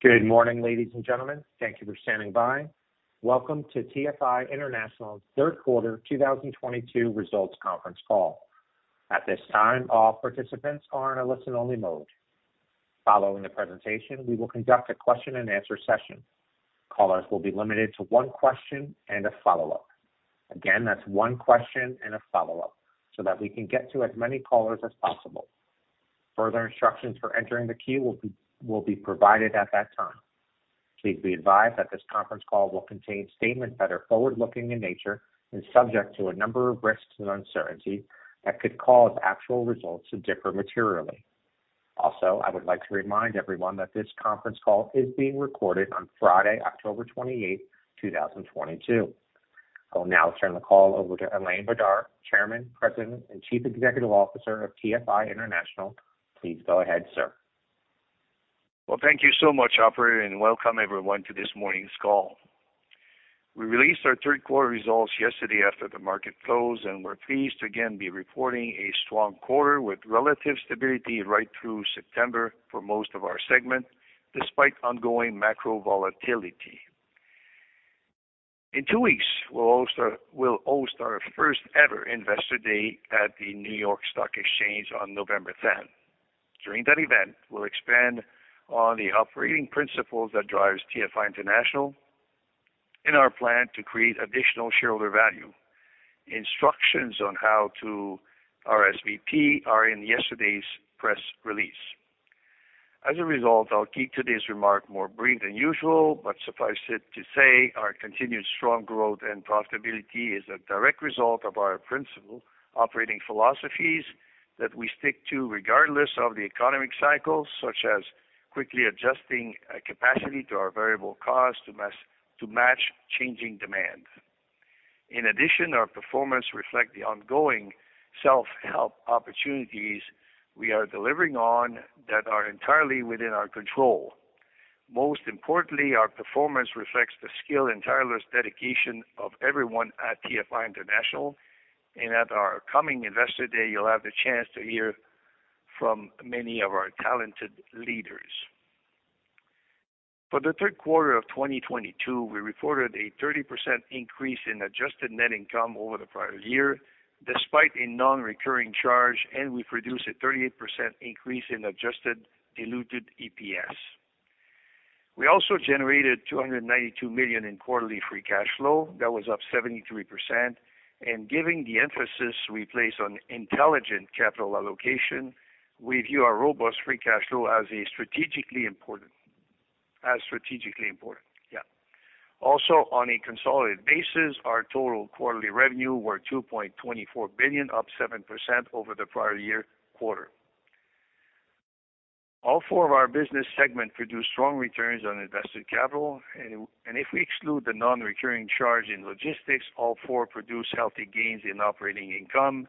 Good morning, ladies and gentlemen. Thank you for standing by. Welcome to TFI International's third quarter 2022 results conference call. At this time, all participants are in a listen-only mode. Following the presentation, we will conduct a question-and-answer session. Callers will be limited to one question and a follow-up. Again, that's one question and a follow-up so that we can get to as many callers as possible. Further instructions for entering the queue will be provided at that time. Please be advised that this conference call will contain statements that are forward-looking in nature and subject to a number of risks and uncertainty that could cause actual results to differ materially. Also, I would like to remind everyone that this conference call is being recorded on Friday, October 28, 2022. I will now turn the call over to Alain Bédard, Chairman, President, and Chief Executive Officer of TFI International. Please go ahead, sir. Well, thank you so much, Operator, and welcome everyone to this morning's call. We released our third quarter results yesterday after the market closed, and we're pleased to again be reporting a strong quarter with relative stability right through September for most of our segments, despite ongoing macro volatility. In two weeks, we'll also host our first ever investor day at the New York Stock Exchange on November tenth. During that event, we'll expand on the operating principles that drives TFI International in our plan to create additional shareholder value. Instructions on how to RSVP are in yesterday's press release. As a result, I'll keep today's remark more brief than usual, but suffice it to say our continued strong growth and profitability is a direct result of our principal operating philosophies that we stick to regardless of the economic cycles, such as quickly adjusting capacity to our variable costs to match changing demand. In addition, our performance reflect the ongoing self-help opportunities we are delivering on that are entirely within our control. Most importantly, our performance reflects the skill and tireless dedication of everyone at TFI International and at our coming investor day, you'll have the chance to hear from many of our talented leaders. For the third quarter of 2022, we reported a 30% increase in adjusted net income over the prior year, despite a non-recurring charge, and we produced a 38% increase in adjusted diluted EPS. We also generated $292 million in quarterly free cash flow. That was up 73%. Giving the emphasis we place on intelligent capital allocation, we view our robust free cash flow as strategically important. Yeah. Also, on a consolidated basis, our total quarterly revenue were $2.24 billion, up 7% over the prior year quarter. All four of our business segment produced strong returns on invested capital, and if we exclude the non-recurring charge in logistics, all four produced healthy gains in operating income.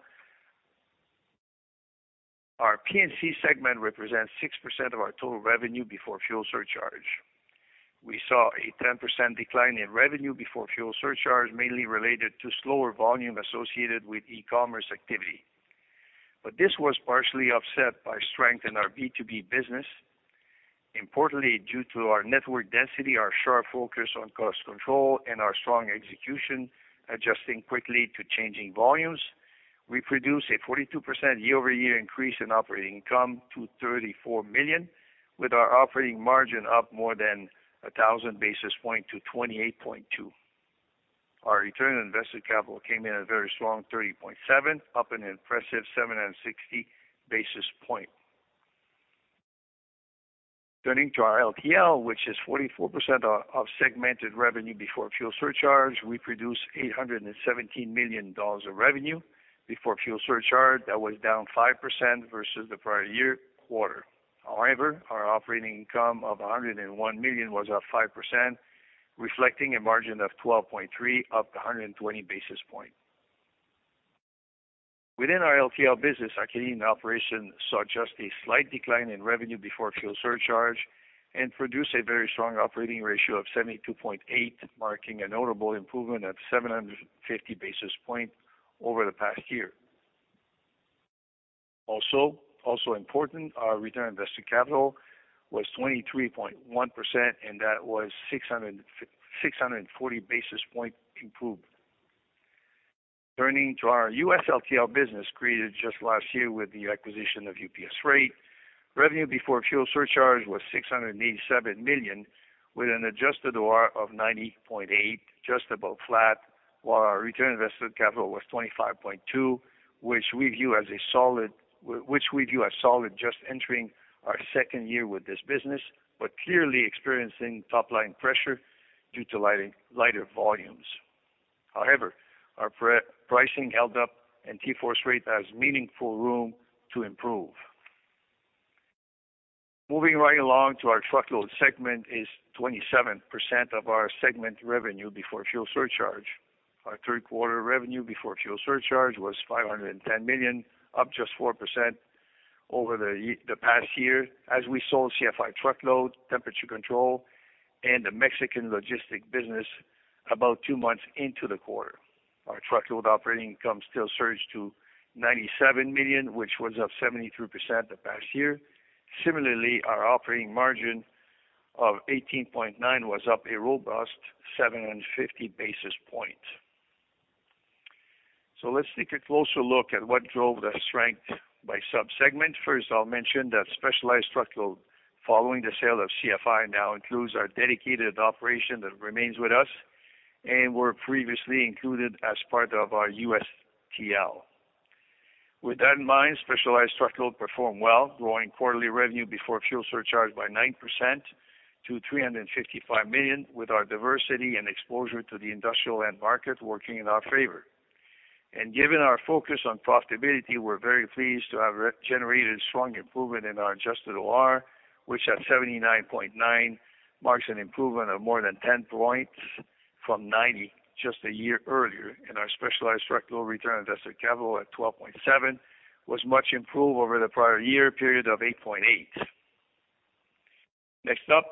Our P&C segment represents 6% of our total revenue before fuel surcharge. We saw a 10% decline in revenue before fuel surcharge, mainly related to slower volume associated with e-commerce activity. This was partially offset by strength in our B2B business. Importantly, due to our network density, our sharp focus on cost control and our strong execution, adjusting quickly to changing volumes, we produced a 42% year-over-year increase in operating income to $34 million, with our operating margin up more than 1,000 basis points to 28.2%. Our return on invested capital came in a very strong 30.7%, up an impressive 760 basis points. Turning to our LTL, which is 44% of segmented revenue before fuel surcharge, we produced $817 million of revenue before fuel surcharge. That was down 5% versus the prior-year quarter. However, our operating income of $101 million was up 5%, reflecting a margin of 12.3%, up 120 basis points. Within our LTL business, our Canadian operation saw just a slight decline in revenue before fuel surcharge and produced a very strong operating ratio of 72.8, marking a notable improvement of 750 basis points over the past year. Important, our return on invested capital was 23.1%, and that was 640 basis points improved. Turning to our US LTL business, created just last year with the acquisition of UPS Freight, revenue before fuel surcharge was $687 million, with an adjusted OR of 90.8, just about flat, while our return on invested capital was 25.2, which we view as a solid just entering our second year with this business, but clearly experiencing top-line pressure due to lighter volumes. However, our pricing held up and TForce Freight has meaningful room to improve. Moving right along to our truckload segment is 27% of our segment revenue before fuel surcharge. Our third quarter revenue before fuel surcharge was $510 million, up just 4% over the past year as we sold CFI truckload, temperature control, and the Mexican logistics business. About two months into the quarter, our truckload operating income still surged to $97 million, which was up 73% the past year. Similarly, our operating margin of 18.9% was up a robust 750 basis points. Let's take a closer look at what drove the strength by sub-segment. First, I'll mention that specialized truckload, following the sale of CFI, now includes our dedicated operation that remains with us and were previously included as part of our USTL. With that in mind, specialized truckload performed well, growing quarterly revenue before full surcharge by 9% to $355 million, with our diversity and exposure to the industrial end market working in our favor. Given our focus on profitability, we're very pleased to have regenerated strong improvement in our adjusted OR, which at 79.9 marks an improvement of more than 10 points from 90 just a year earlier. Our specialized structural return on invested capital at 12.7 was much improved over the prior year period of 8.8. Next up,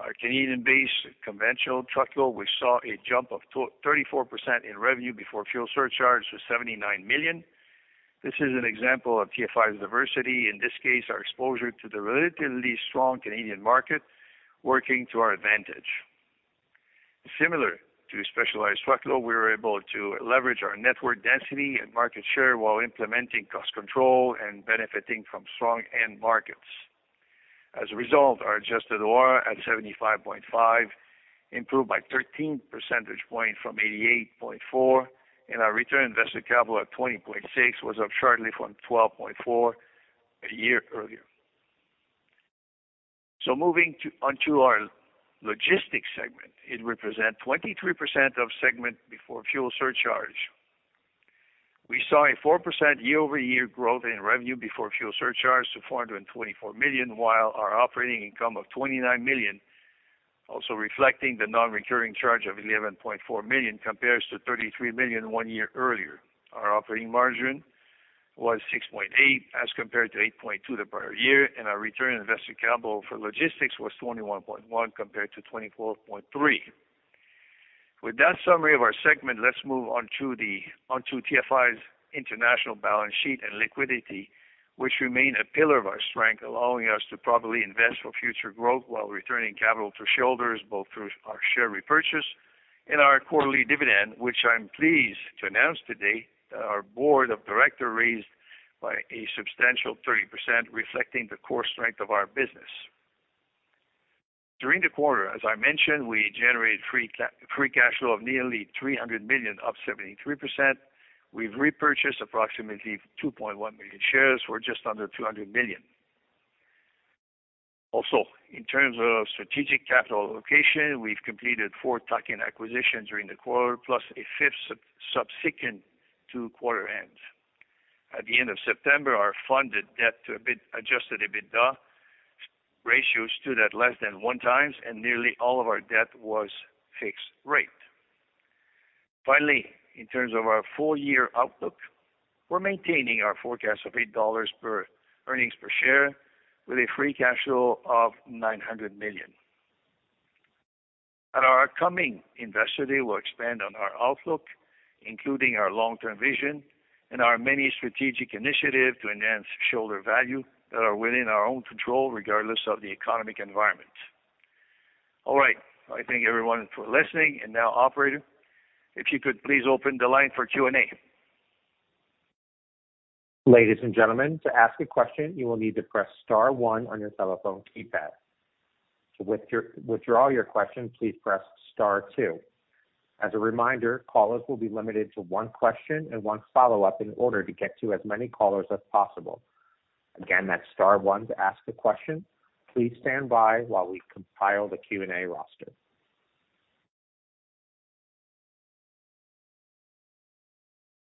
our Canadian-based conventional truckload, we saw a jump of 34% in revenue before fuel surcharge to $79 million. This is an example of TFI's diversity, in this case, our exposure to the relatively strong Canadian market working to our advantage. Similar to specialized truckload, we were able to leverage our network density and market share while implementing cost control and benefiting from strong end markets. As a result, our adjusted OR at 75.5 improved by 13 percentage points from 88.4, and our return on invested capital at 20.6 was up sharply from 12.4 a year earlier. Moving to, onto our logistics segment, it represents 23% of segment before fuel surcharge. We saw a 4% year-over-year growth in revenue before fuel surcharge to $424 million, while our operating income of $29 million also reflecting the non-recurring charge of $11.4 million compares to $33 million one year earlier. Our operating margin was 6.8% as compared to 8.2% the prior year, and our return on invested capital for logistics was 21.1% compared to 24.3%. With that summary of our segment, let's move on to TFI International's balance sheet and liquidity, which remain a pillar of our strength, allowing us to properly invest for future growth while returning capital to shareholders, both through our share repurchase and our quarterly dividend, which I'm pleased to announce today that our board of director raised by a substantial 30%, reflecting the core strength of our business. During the quarter, as I mentioned, we generated free cash flow of nearly $300 million, up 73%. We've repurchased approximately 2.1 million shares for just under $200 million. Also, in terms of strategic capital allocation, we've completed 4 tuck-in acquisitions during the quarter, plus a fifth subsequent to quarter end. At the end of September, our funded debt to EBITDA, adjusted EBITDA ratio stood at less than 1 times, and nearly all of our debt was fixed rate. Finally, in terms of our full year outlook, we're maintaining our forecast of $8 earnings per share with a free cash flow of $900 million. At our upcoming investor day, we'll expand on our outlook, including our long-term vision and our many strategic initiatives to enhance shareholder value that are within our own control regardless of the economic environment. All right. I thank everyone for listening. Now, Operator, if you could please open the line for Q&A.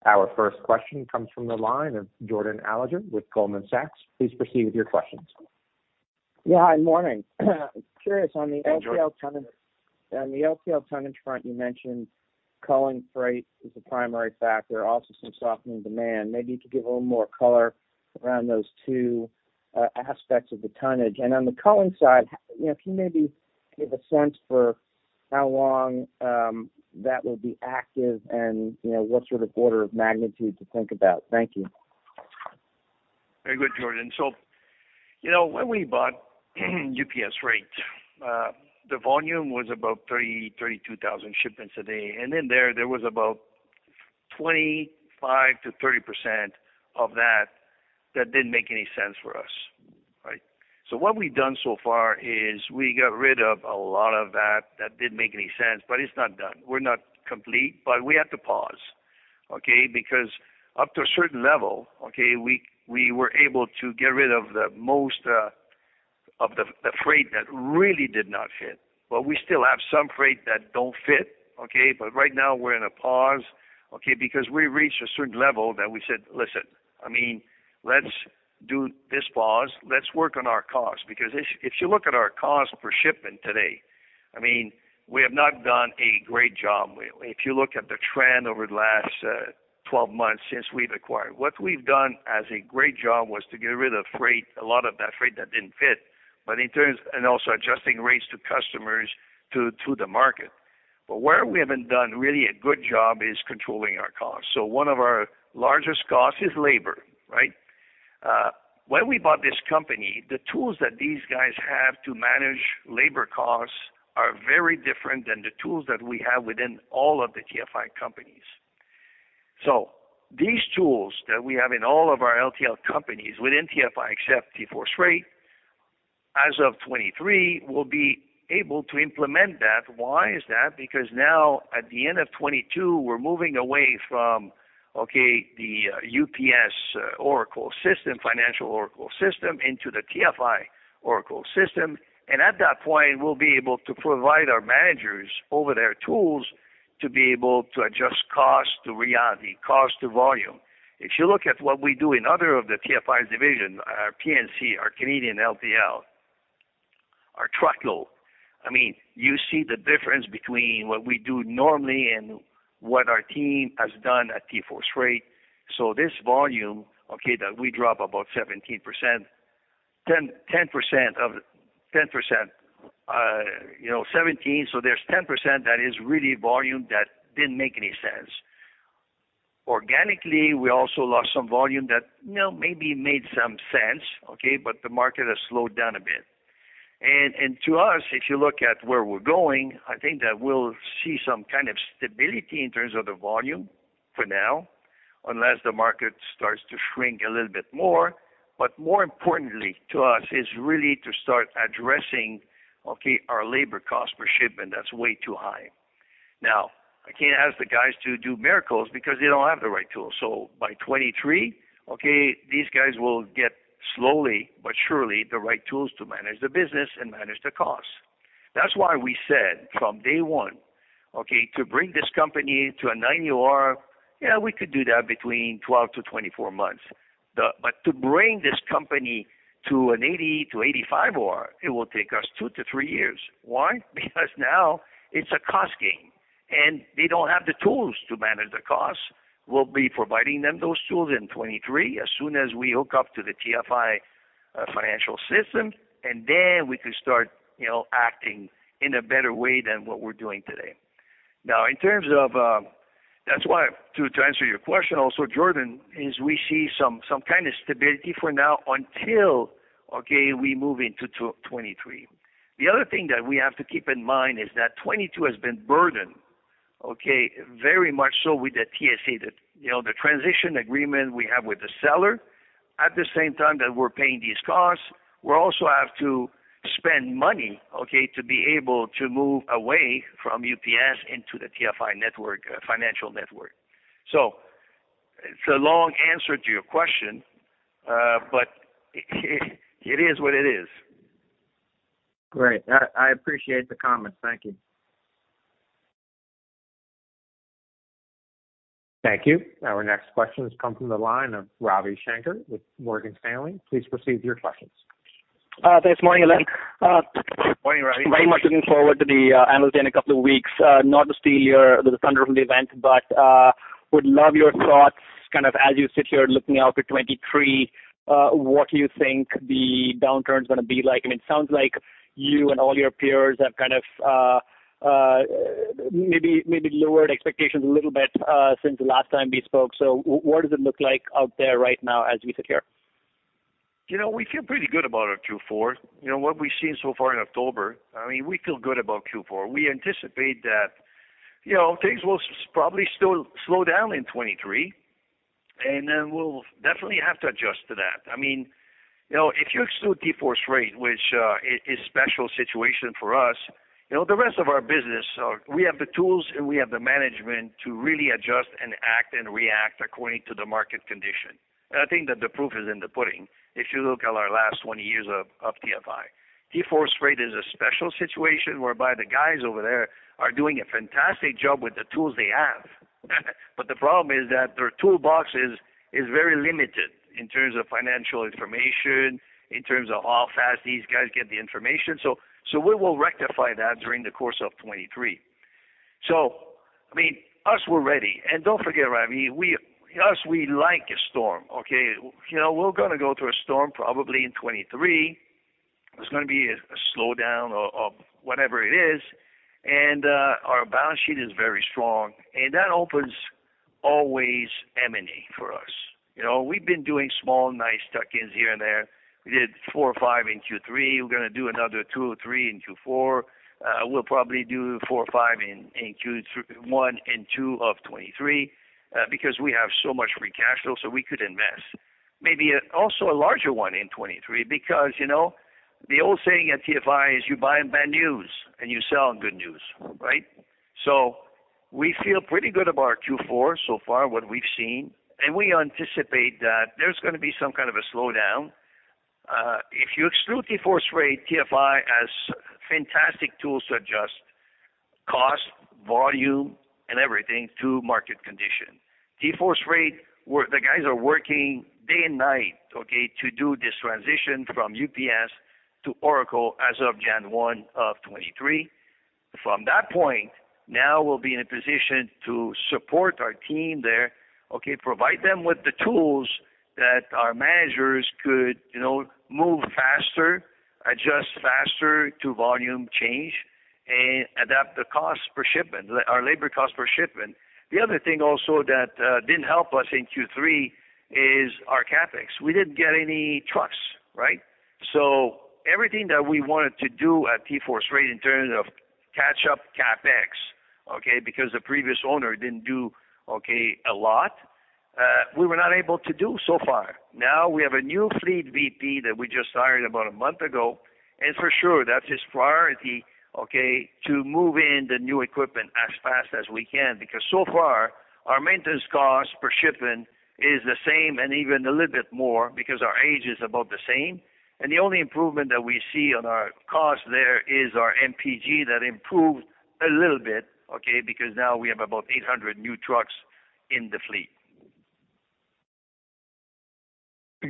Our first question comes from the line of Jordan Alliger with Goldman Sachs. Please proceed with your questions. Yeah. Morning. Curious on the LTL. Jordan. On the LTL tonnage front, you mentioned culling freight is a primary factor, also some softening demand. Maybe you could give a little more color around those two aspects of the tonnage. On the culling side, you know, can you maybe give a sense for how long that will be active and, you know, what sort of order of magnitude to think about? Thank you. Very good, Jordan. You know, when we bought UPS Freight, the volume was about 30-32,000 shipments a day. In there was about 25%-30% of that that didn't make any sense for us, right? What we've done so far is we got rid of a lot of that that didn't make any sense, but it's not done. We're not complete, but we have to pause, okay? Because up to a certain level, okay, we were able to get rid of the most of the freight that really did not fit. We still have some freight that don't fit, okay? Right now we're in a pause, okay, because we reached a certain level that we said, "Listen, I mean, let's do this pause. Let's work on our cost." Because if you look at our cost per shipment today, I mean, we have not done a great job. If you look at the trend over the last 12 months since we've acquired. What we've done, a great job, was to get rid of freight, a lot of that freight that didn't fit, and also adjusting rates to customers to the market. Where we haven't done really a good job is controlling our costs. One of our largest costs is labor, right? When we bought this company, the tools that these guys have to manage labor costs are very different than the tools that we have within all of the TFI companies. These tools that we have in all of our LTL companies within TFI, except TForce Freight, as of 2023, we'll be able to implement that. Why is that? Because now at the end of 2022, we're moving away from the UPS Oracle system, financial Oracle system, into the TFI Oracle system. At that point, we'll be able to provide our managers over there tools to be able to adjust cost to reality, cost to volume. If you look at what we do in other of the TFI division, our P&C, our Canadian LTL, our truckload, I mean, you see the difference between what we do normally and what our team has done at TForce Freight. This volume that we drop about 17%, 10% 10%, you know, 17. There's 10% that is really volume that didn't make any sense. Organically, we also lost some volume that, you know, maybe made some sense, okay? The market has slowed down a bit. To us, if you look at where we're going, I think that we'll see some kind of stability in terms of the volume for now, unless the market starts to shrink a little bit more. More importantly to us is really to start addressing, okay, our labor cost per shipment that's way too high. Now, I can't ask the guys to do miracles because they don't have the right tools. By 2023, okay, these guys will get slowly but surely the right tools to manage the business and manage the costs. That's why we said from day one, okay, to bring this company to a 9 OR, yeah, we could do that between 12-24 months. But to bring this company to an 80-85 OR, it will take us 2-3 years. Why? Because now it's a cost game, and they don't have the tools to manage the costs. We'll be providing them those tools in 2023 as soon as we hook up to the TFI financial system, and then we can start, you know, acting in a better way than what we're doing today. Now, in terms of to answer your question also, Jordan, is we see some kind of stability for now until, okay, we move into 2023. The other thing that we have to keep in mind is that 2022 has been burdened, okay, very much so with the TSA, you know, the transition agreement we have with the seller. At the same time that we're paying these costs, we also have to spend money, okay, to be able to move away from UPS into the TFI network, financial network. It's a long answer to your question, but it is what it is. Great. I appreciate the comments. Thank you. Thank you. Our next question has come from the line of Ravi Shanker with Morgan Stanley. Please proceed with your questions. Thanks. Morning, Alain. Morning, Ravi. Very much looking forward to the analyst day in a couple of weeks. Not to steal your thunder from the event, but would love your thoughts kind of as you sit here looking out to 2023, what do you think the downturn is gonna be like? It sounds like you and all your peers have kind of maybe lowered expectations a little bit since the last time we spoke. What does it look like out there right now as we sit here? You know, we feel pretty good about our Q4. You know, what we've seen so far in October, I mean, we feel good about Q4. We anticipate that, you know, things will probably still slow down in 2023, and then we'll definitely have to adjust to that. I mean, you know, if you exclude TForce Freight, which is a special situation for us, you know, the rest of our business are. We have the tools and we have the management to really adjust and act and react according to the market condition. I think that the proof is in the pudding if you look at our last 20 years of TFI. TForce Freight is a special situation whereby the guys over there are doing a fantastic job with the tools they have. The problem is that their toolbox is very limited in terms of financial information, in terms of how fast these guys get the information. So we will rectify that during the course of 2023. So I mean, we're ready. Don't forget, Ravi, we like a storm, okay? You know, we're gonna go through a storm probably in 2023. There's gonna be a slowdown or whatever it is, and our balance sheet is very strong, and that opens always M&A for us. You know, we've been doing small, nice tuck-ins here and there. We did 4 or 5 in Q3. We're gonna do another 2 or 3 in Q4. We'll probably do 4 or 5 in Q1 and Q2 of 2023, because we have so much free cash flow, so we could invest. Maybe also a larger one in 2023 because, you know, the old saying at TFI is you buy on bad news and you sell on good news, right? We feel pretty good about our Q4 so far, what we've seen, and we anticipate that there's gonna be some kind of a slowdown. If you exclude TForce Freight, TFI has fantastic tools to adjust cost, volume, and everything to market condition. TForce Freight, the guys are working day and night, okay, to do this transition from UPS to Oracle as of January 1, 2023. From that point, now we'll be in a position to support our team there, okay, provide them with the tools that our managers could, you know, move faster, adjust faster to volume change and adapt the cost per shipment, our labor cost per shipment. The other thing also that didn't help us in Q3 is our CapEx. We didn't get any trucks, right? Everything that we wanted to do at TForce Freight in terms of catch up CapEx, okay, because the previous owner didn't do, okay, a lot, we were not able to do so far. Now we have a new fleet VP that we just hired about a month ago, and for sure, that's his priority, okay, to move in the new equipment as fast as we can, because so far, our maintenance cost per shipment is the same and even a little bit more because our age is about the same. The only improvement that we see on our cost there is our MPG that improved a little bit, okay, because now we have about 800 new trucks in the fleet.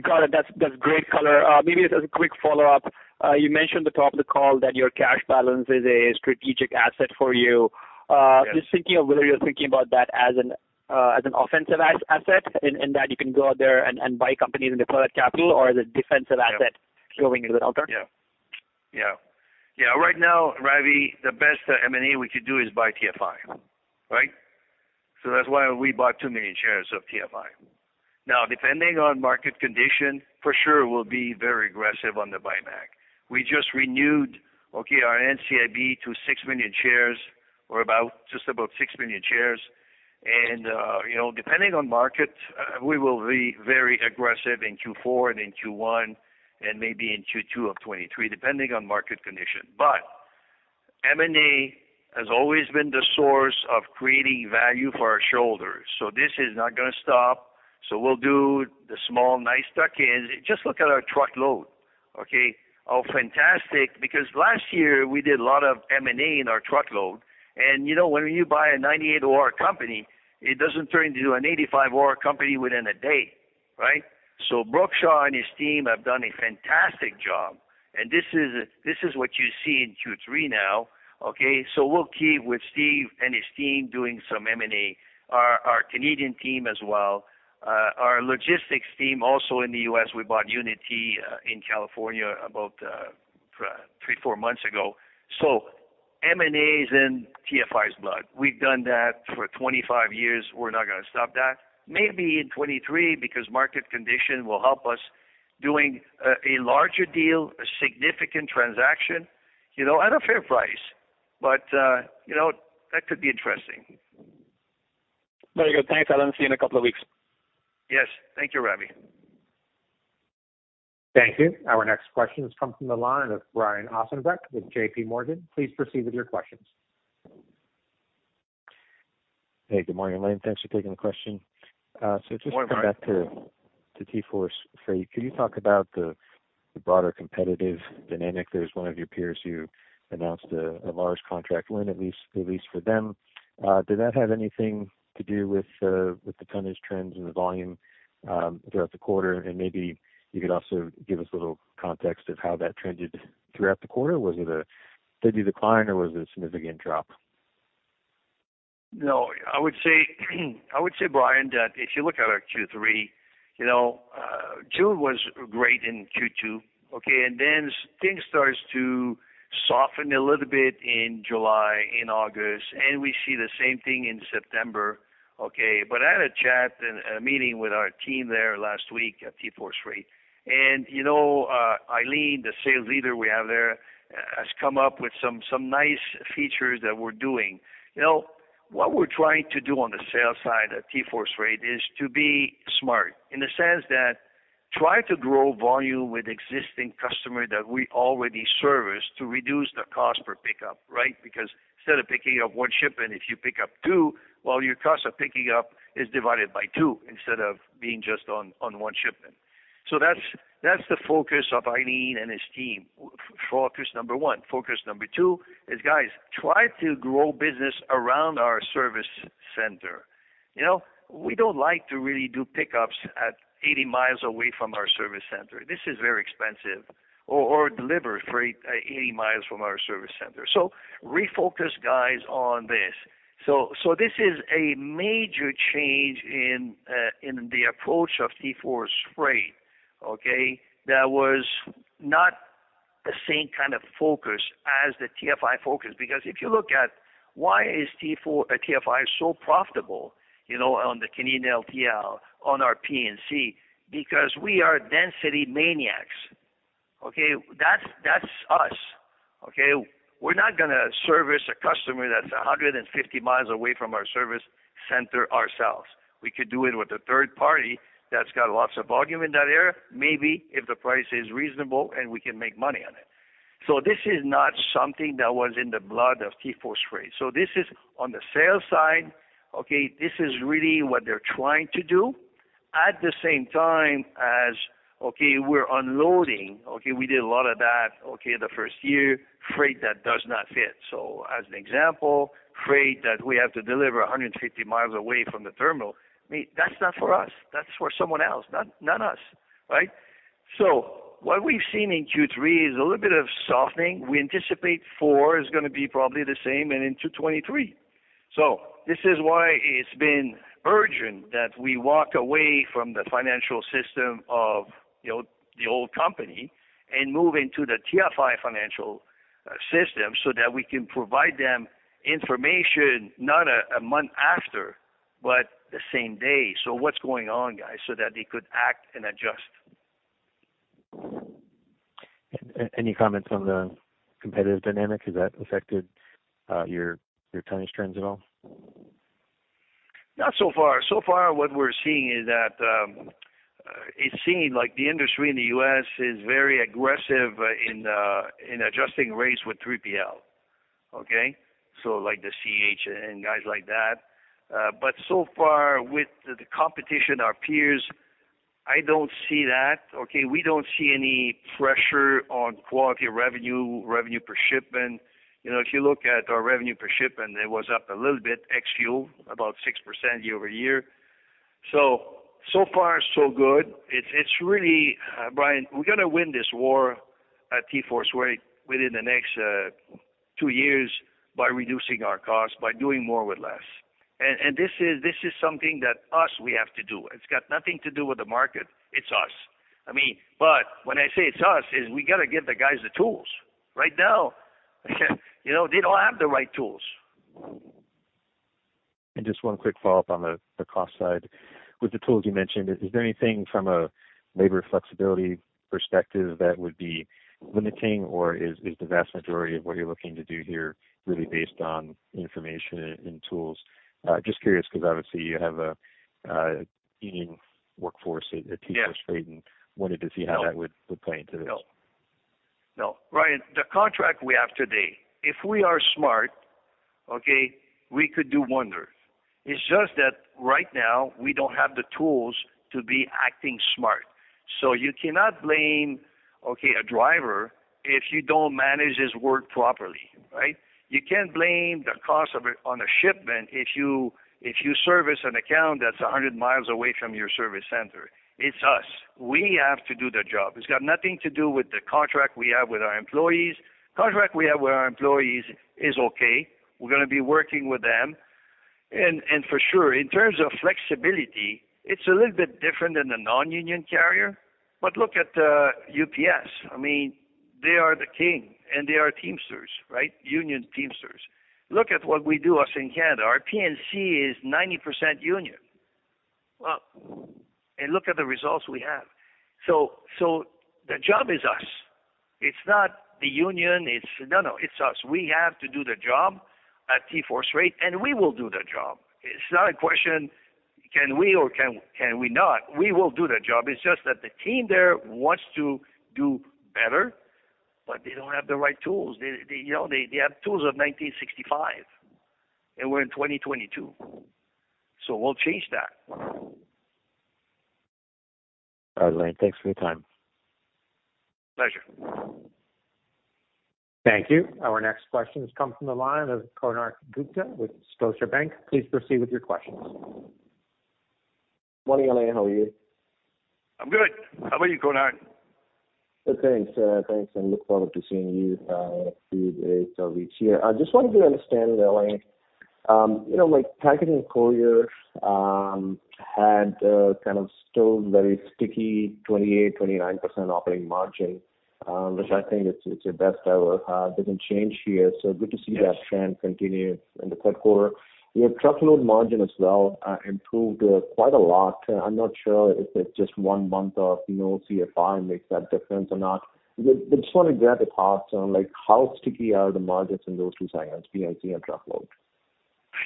Got it. That's great color. Maybe just as a quick follow-up. You mentioned at the top of the call that your cash balance is a strategic asset for you. Yes. Just thinking of whether you're thinking about that as an offensive asset in that you can go out there and buy companies and deploy that capital or as a defensive asset? Yeah. going into the downturn? Right now, Ravi, the best M&A we could do is buy TFI, right? That's why we bought 2 million shares of TFI. Now, depending on market condition, for sure we'll be very aggressive on the buyback. We just renewed our NCIB to 6 million shares or about 6 million shares. You know, depending on market, we will be very aggressive in Q4 and in Q1 and maybe in Q2 of 2023, depending on market condition. M&A has always been the source of creating value for our shareholders, so this is not gonna stop. We'll do the small, nice tuck-ins. Just look at our truckload, okay? Oh, fantastic because last year we did a lot of M&A in our truckload. You know, when you buy a 98 OR company, it doesn't turn into an 85 OR company within a day, right? Brookshaw and his team have done a fantastic job. This is what you see in Q3 now, okay? We'll keep with Steve and his team doing some M&A. Our Canadian team as well. Our logistics team also in the US, we bought Unity in California about three, four months ago. M&A is in TFI's blood. We've done that for 25 years. We're not gonna stop that. Maybe in 2023, because market condition will help us doing a larger deal, a significant transaction, you know, at a fair price. You know, that could be interesting. Very good. Thanks, Alain. See you in a couple of weeks. Yes. Thank you, Ravi. Thank you. Our next question comes from the line of Brian Ossenbeck with JPMorgan. Please proceed with your questions. Hey, good morning, Alain. Thanks for taking the question. Just to come back to- Good morning, Brian. To TForce Freight. Could you talk about the broader competitive dynamic? There's one of your peers who announced a large contract win, at least for them. Did that have anything to do with the tonnage trends and the volume throughout the quarter? Maybe you could also give us a little context of how that trended throughout the quarter. Was it a steady decline or was it a significant drop? No, I would say, Brian, that if you look at our Q3, June was great in Q2, okay? Then things start to soften a little bit in July, in August, and we see the same thing in September, okay? I had a chat and a meeting with our team there last week at TForce Freight. Eileen, the sales leader we have there, has come up with some nice features that we're doing. What we're trying to do on the sales side at TForce Freight is to be smart in the sense that try to grow volume with existing customer that we already service to reduce the cost per pickup, right? Instead of picking up one shipment, if you pick up two, well, your cost of picking up is divided by two instead of being just on one shipment. That's the focus of Eileen and his team. Focus number one. Focus number two is, guys, try to grow business around our service center. You know, we don't like to really do pickups at 80 miles away from our service center. This is very expensive or deliver freight 80 miles from our service center. Refocus, guys, on this. This is a major change in the approach of TForce Freight, okay? That was not the same kind of focus as the TFI focus. If you look at why is TFI so profitable, you know, on the Canadian LTL, on our P&C? We are density maniacs, okay? That's us, okay? We're not gonna service a customer that's 150 miles away from our service center ourselves. We could do it with a third party that's got lots of volume in that area, maybe if the price is reasonable and we can make money on it. This is not something that was in the blood of TForce Freight. This is on the sales side, okay? This is really what they're trying to do. At the same time, okay, we're unloading, okay. We did a lot of that, okay, the first year, freight that does not fit. As an example, freight that we have to deliver 150 miles away from the terminal, mate, that's not for us. That's for someone else, not us, right? What we've seen in Q3 is a little bit of softening. We anticipate 4 is gonna be probably the same and into 2023. This is why it's been urgent that we walk away from the financial system of, you know, the old company and move into the TFI financial system so that we can provide them information not a month after, but the same day. What's going on, guys? That they could act and adjust. Any comments on the competitive dynamic? Has that affected your tonnage trends at all? Not so far. So far, what we're seeing is that, it's seemed like the industry in the US is very aggressive in adjusting rates with 3PL. Okay? Like the C.H. Robinson and guys like that. But so far with the competition, our peers, I don't see that. Okay, we don't see any pressure on quality of revenue per shipment. You know, if you look at our revenue per shipment, it was up a little bit ex fuel, about 6% year-over-year. So far so good. It's really, Brian, we're gonna win this war at TForce Freight within the next 2 years by reducing our costs, by doing more with less. This is something that we have to do. It's got nothing to do with the market. It's us. I mean, when I say it's us, is we got to give the guys the tools. Right now, you know, they don't have the right tools. Just one quick follow-up on the cost side. With the tools you mentioned, is there anything from a labor flexibility perspective that would be limiting, or is the vast majority of what you're looking to do here really based on information and tools? Just curious because obviously you have a union workforce. Yeah. at TForce Freight and wanted to see how that would play into this. No. No. Brian, the contract we have today, if we are smart, okay, we could do wonders. It's just that right now we don't have the tools to be acting smart. You cannot blame, okay, a driver if you don't manage his work properly, right? You can't blame the cost of a shipment if you service an account that's a hundred miles away from your service center. It's us. We have to do the job. It's got nothing to do with the contract we have with our employees. Contract we have with our employees is okay. We're gonna be working with them. And for sure, in terms of flexibility, it's a little bit different than the non-union carrier. Look at UPS. I mean, they are the king, and they are Teamsters, right? Union Teamsters. Look at what we do in Canada. Our P&C is 90% union. Well, look at the results we have. The job is us. It's not the union. No, it's us. We have to do the job at TForce Freight, and we will do the job. It's not a question, can we or can we not? We will do the job. It's just that the team there wants to do better, but they don't have the right tools. They, you know, they have tools of 1965, and we're in 2022. We'll change that. All right, Alain. Thanks for your time. Pleasure. Thank you. Our next question comes from the line of Konark Gupta with Scotiabank. Please proceed with your questions. Morning, Alain. How are you? I'm good. How about you, Konark? Good. Thanks. I look forward to seeing you a few days of each year. I just wanted to understand, Alain, you know, like Package and Courier had kind of still very sticky 28%-29% operating margin, which I think it's your best ever. Didn't change here, so good to see that. Yes. The trend continue in the third quarter. Your truckload margin as well improved quite a lot. I'm not sure if it's just one month of, you know, TFI makes that difference or not. Just want to get the thoughts on, like, how sticky are the margins in those two segments, P&C and truckload?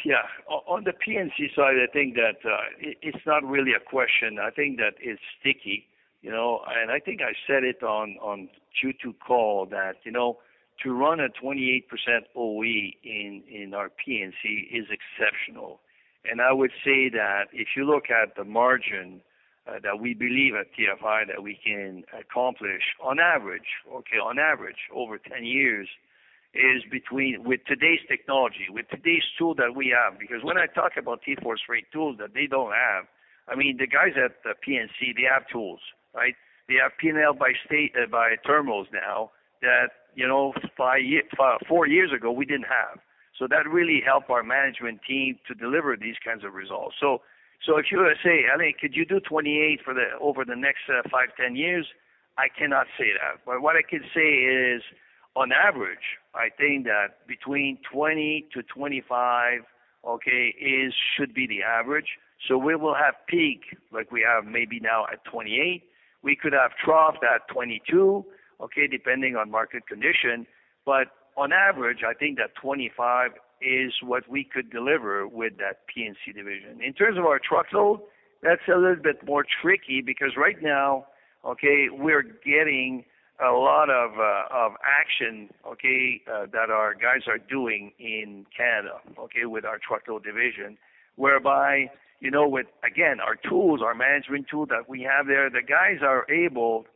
Yeah. On the P&C side, I think that it's not really a question. I think that it's sticky, you know. I think I said it on the Q2 call that, you know, to run a 28% OR in our P&C is exceptional. I would say that if you look at the margin that we believe at TFI that we can accomplish on average, on average over 10 years, is between with today's technology, with today's tools that we have. Because when I talk about TForce Freight tools that they don't have, I mean, the guys at the P&C, they have tools, right? They have P&L by state, by terminals now that, you know, 4 years ago, we didn't have. That really helped our management team to deliver these kinds of results. If you were to say, "Alain, could you do 28% for the, over the next, 5, 10 years?" I cannot say that. What I can say is, on average, I think that between 20-25%, okay, it should be the average. We will have peak like we have maybe now at 28%. We could have trough at 22%, okay, depending on market condition. On average, I think that 25% is what we could deliver with that P&C division. In terms of our truckload, that's a little bit more tricky because right now, we're getting a lot of action that our guys are doing in Canada, with our truckload division, whereby, you know, with, again, our tools, our management tool that we have there, the guys are able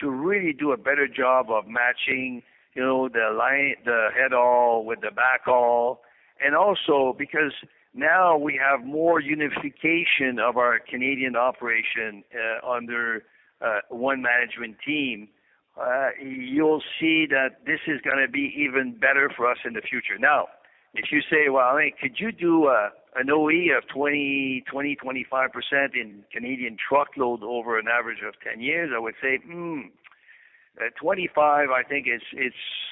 to really do a better job of matching, you know, the line, the head haul with the back haul. Also because now we have more unification of our Canadian operation, under one management team. You'll see that this is gonna be even better for us in the future. Now, if you say, "Well, Alain, could you do an OR of 20-25% in Canadian truckload over an average of 10 years?" I would say, "At 25%, I think it's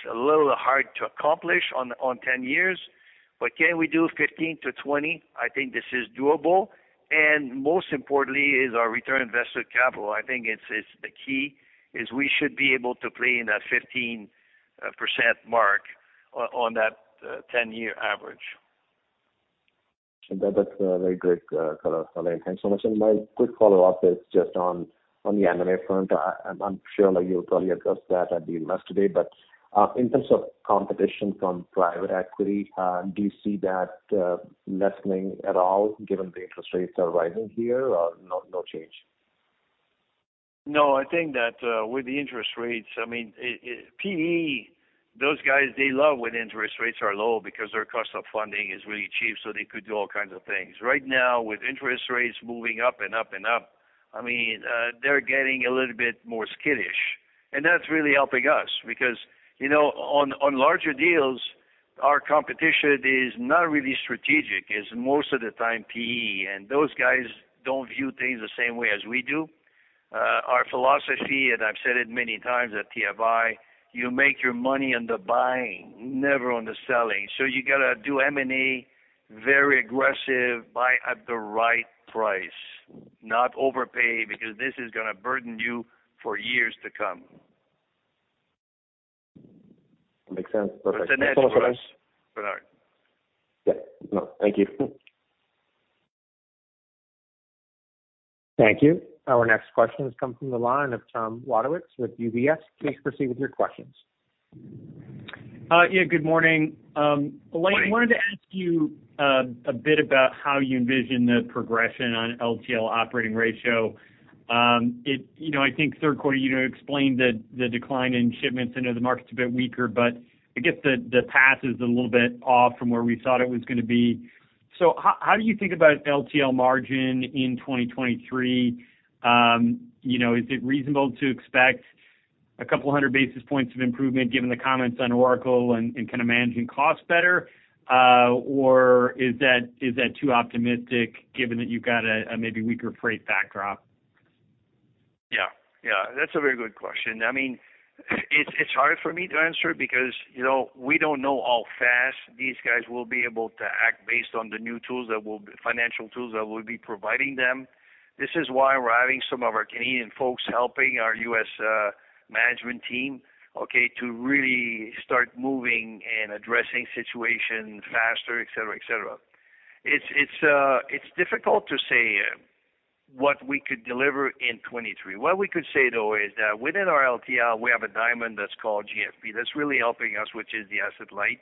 a little hard to accomplish on 10 years. But can we do 15%-20%? I think this is doable." Most importantly is our return on invested capital. I think it's the key, we should be able to play in that 15% mark on that 10-year average. That's very great color, Alain. Thanks so much. My quick follow-up is just on the M&A front. I'm sure, like you probably addressed that at the Investor Day. In terms of competition from private equity, do you see that lessening at all given the interest rates are rising here, or no change? No, I think that, with the interest rates, I mean, PE, those guys, they love when interest rates are low because their cost of funding is really cheap, so they could do all kinds of things. Right now, with interest rates moving up and up and up, I mean, they're getting a little bit more skittish. That's really helping us because, you know, on larger deals, our competition is not really strategic. It's most of the time PE, and those guys don't view things the same way as we do. Our philosophy, and I've said it many times at TFI, you make your money on the buying, never on the selling. You gotta do M&A very aggressive, buy at the right price, not overpay because this is gonna burden you for years to come. Makes sense. Perfect. Yeah. No, thank you. Thank you. Our next question has come from the line of Tom Wadewitz with UBS. Please proceed with your questions. Yeah, good morning. Morning. Alain, wanted to ask you a bit about how you envision the progression on LTL operating ratio. You know, I think third quarter, you explained the decline in shipments into the market's a bit weaker, but I guess the path is a little bit off from where we thought it was gonna be. How do you think about LTL margin in 2023? You know, is it reasonable to expect a couple hundred basis points of improvement given the comments on Oracle and kind of managing costs better? Or is that too optimistic given that you've got a maybe weaker freight backdrop? Yeah. Yeah. That's a very good question. I mean, it's hard for me to answer because, you know, we don't know how fast these guys will be able to act based on the new financial tools that we'll be providing them. This is why we're having some of our Canadian folks helping our US management team, okay, to really start moving and addressing situations faster, et cetera, et cetera. It's difficult to say what we could deliver in 2023. What we could say, though, is that within our LTL, we have a diamond that's called GFE. That's really helping us, which is the asset light.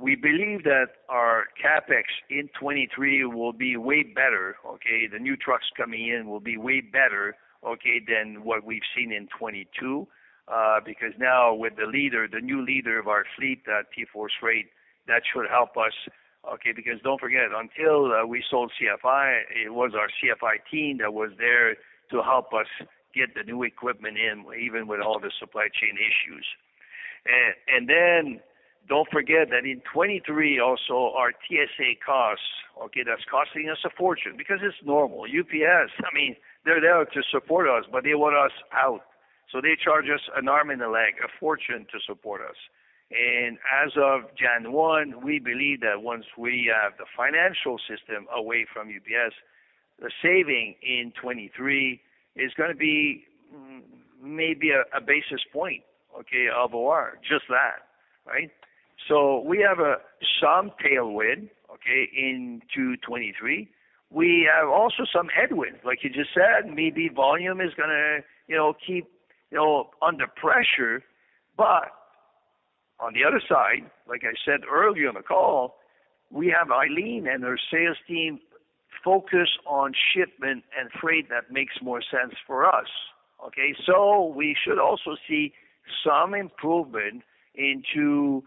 We believe that our CapEx in 2023 will be way better, okay. The new trucks coming in will be way better, okay, than what we've seen in 2022. Because now with the leader, the new leader of our fleet, TForce Freight, that should help us, okay. Because don't forget, until we sold CFI, it was our CFI team that was there to help us get the new equipment in, even with all the supply chain issues. And then don't forget that in 2023 also, our TSA costs, okay, that's costing us a fortune because it's normal. UPS, I mean, they're there to support us, but they want us out, so they charge us an arm and a leg, a fortune to support us. And as of January 1, we believe that once we have the financial system away from UPS, the saving in 2023 is gonna be maybe a basis point, okay, of OR, just that, right? We have some tailwind, okay, into 2023. We have also some headwind. Like you just said, maybe volume is gonna, you know, keep, you know, under pressure. On the other side, like I said earlier on the call, we have Eileen and her sales team focus on shipment and freight that makes more sense for us, okay. We should also see some improvement into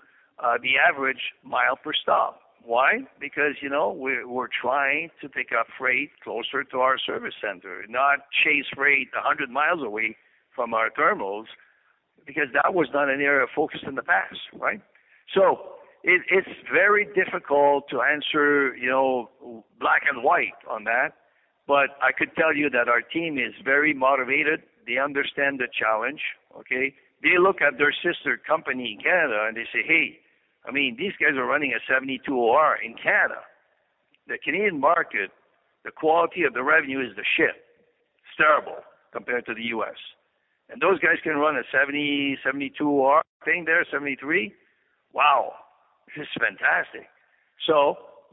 the average mile per stop. Why? Because, you know, we're trying to pick up freight closer to our service center, not chase freight 100 miles away from our terminals, because that was not an area of focus in the past, right? It's very difficult to answer, you know, black and white on that. I could tell you that our team is very motivated. They understand the challenge, okay. They look at their sister company in Canada, and they say, "Hey, I mean, these guys are running a 72 OR in Canada." The Canadian market, the quality of the revenue is shit. It's terrible compared to the US. Those guys can run a 70, 72 OR thing there, 73. Wow. This is fantastic.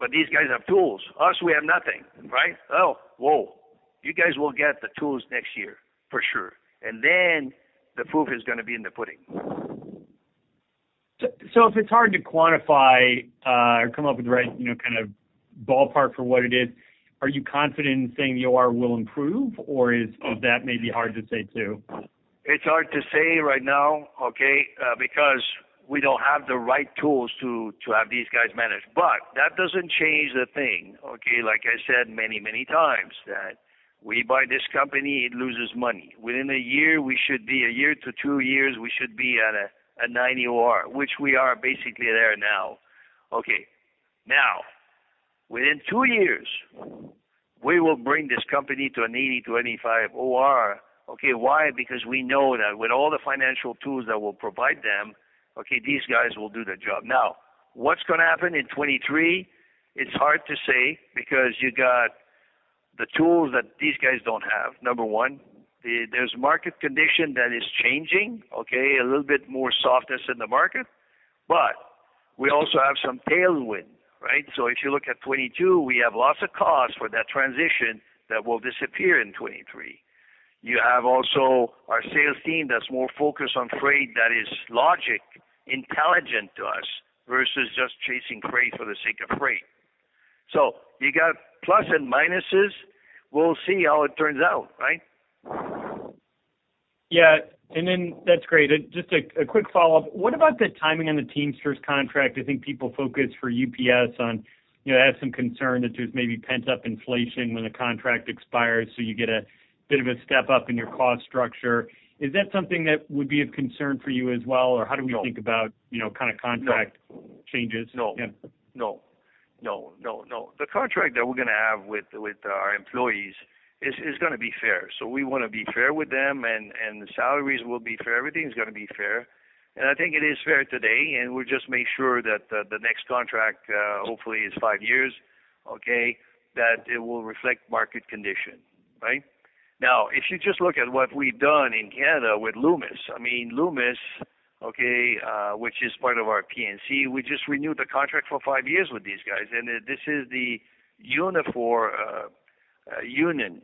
But these guys have tools. Us, we have nothing, right? Oh, whoa. You guys will get the tools next year for sure. Then the proof is gonna be in the pudding. If it's hard to quantify, or come up with the right, you know, kind of ballpark for what it is, are you confident in saying the OR will improve, or is that maybe hard to say too? It's hard to say right now, okay, because we don't have the right tools to have these guys managed. That doesn't change a thing, okay. Like I said many times, that we buy this company, it loses money. Within 1-2 years, we should be at a 90 OR, which we are basically there now. Okay. Now, within two years, we will bring this company to an 80-85 OR. Okay. Why? Because we know that with all the financial tools that will provide them, okay, these guys will do their job. Now, what's gonna happen in 2023? It's hard to say because you got the tools that these guys don't have, number one. There's market conditions that is changing, okay, a little bit more softness in the market, but we also have some tailwind, right? If you look at 2022, we have lots of costs for that transition that will disappear in 2023. You have also our sales team that's more focused on freight that is logically intelligent to us versus just chasing freight for the sake of freight. You got plus and minuses. We'll see how it turns out, right? Yeah. That's great. Just a quick follow-up. What about the timing on the Teamsters contract? I think people focus for UPS on, you know, have some concern that there's maybe pent-up inflation when the contract expires, so you get a bit of a step up in your cost structure. Is that something that would be of concern for you as well? Or how do we think about, you know, kind of contract changes? No, no. The contract that we're gonna have with our employees is gonna be fair. We wanna be fair with them, and the salaries will be fair. Everything's gonna be fair. I think it is fair today, and we'll just make sure that the next contract, hopefully is five years, okay, that it will reflect market condition, right? Now, if you just look at what we've done in Canada with Loomis. I mean, Loomis, okay, which is part of our P&C, we just renewed the contract for five years with these guys. This is the Unifor union.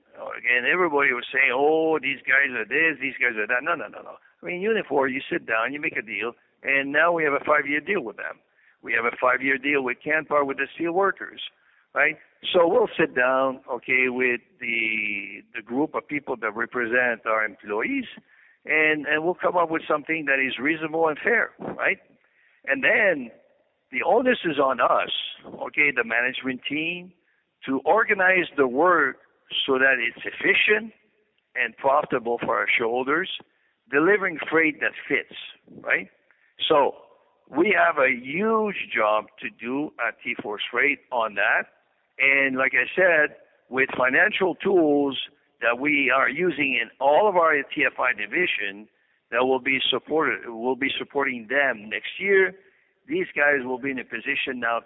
Everybody was saying, "Oh, these guys are this, these guys are that." No, no. I mean, Unifor, you sit down, you make a deal, and now we have a five-year deal with them. We have a five-year deal with Canpar with the steelworkers, right? We'll sit down, okay, with the group of people that represent our employees, and we'll come up with something that is reasonable and fair, right? Then the onus is on us, okay, the management team, to organize the work so that it's efficient and profitable for our shareholders, delivering freight that fits, right? We have a huge job to do at TForce Freight on that. Like I said, with financial tools that we are using in all of our TFI division that will be supported. We'll be supporting them next year, these guys will be in a position now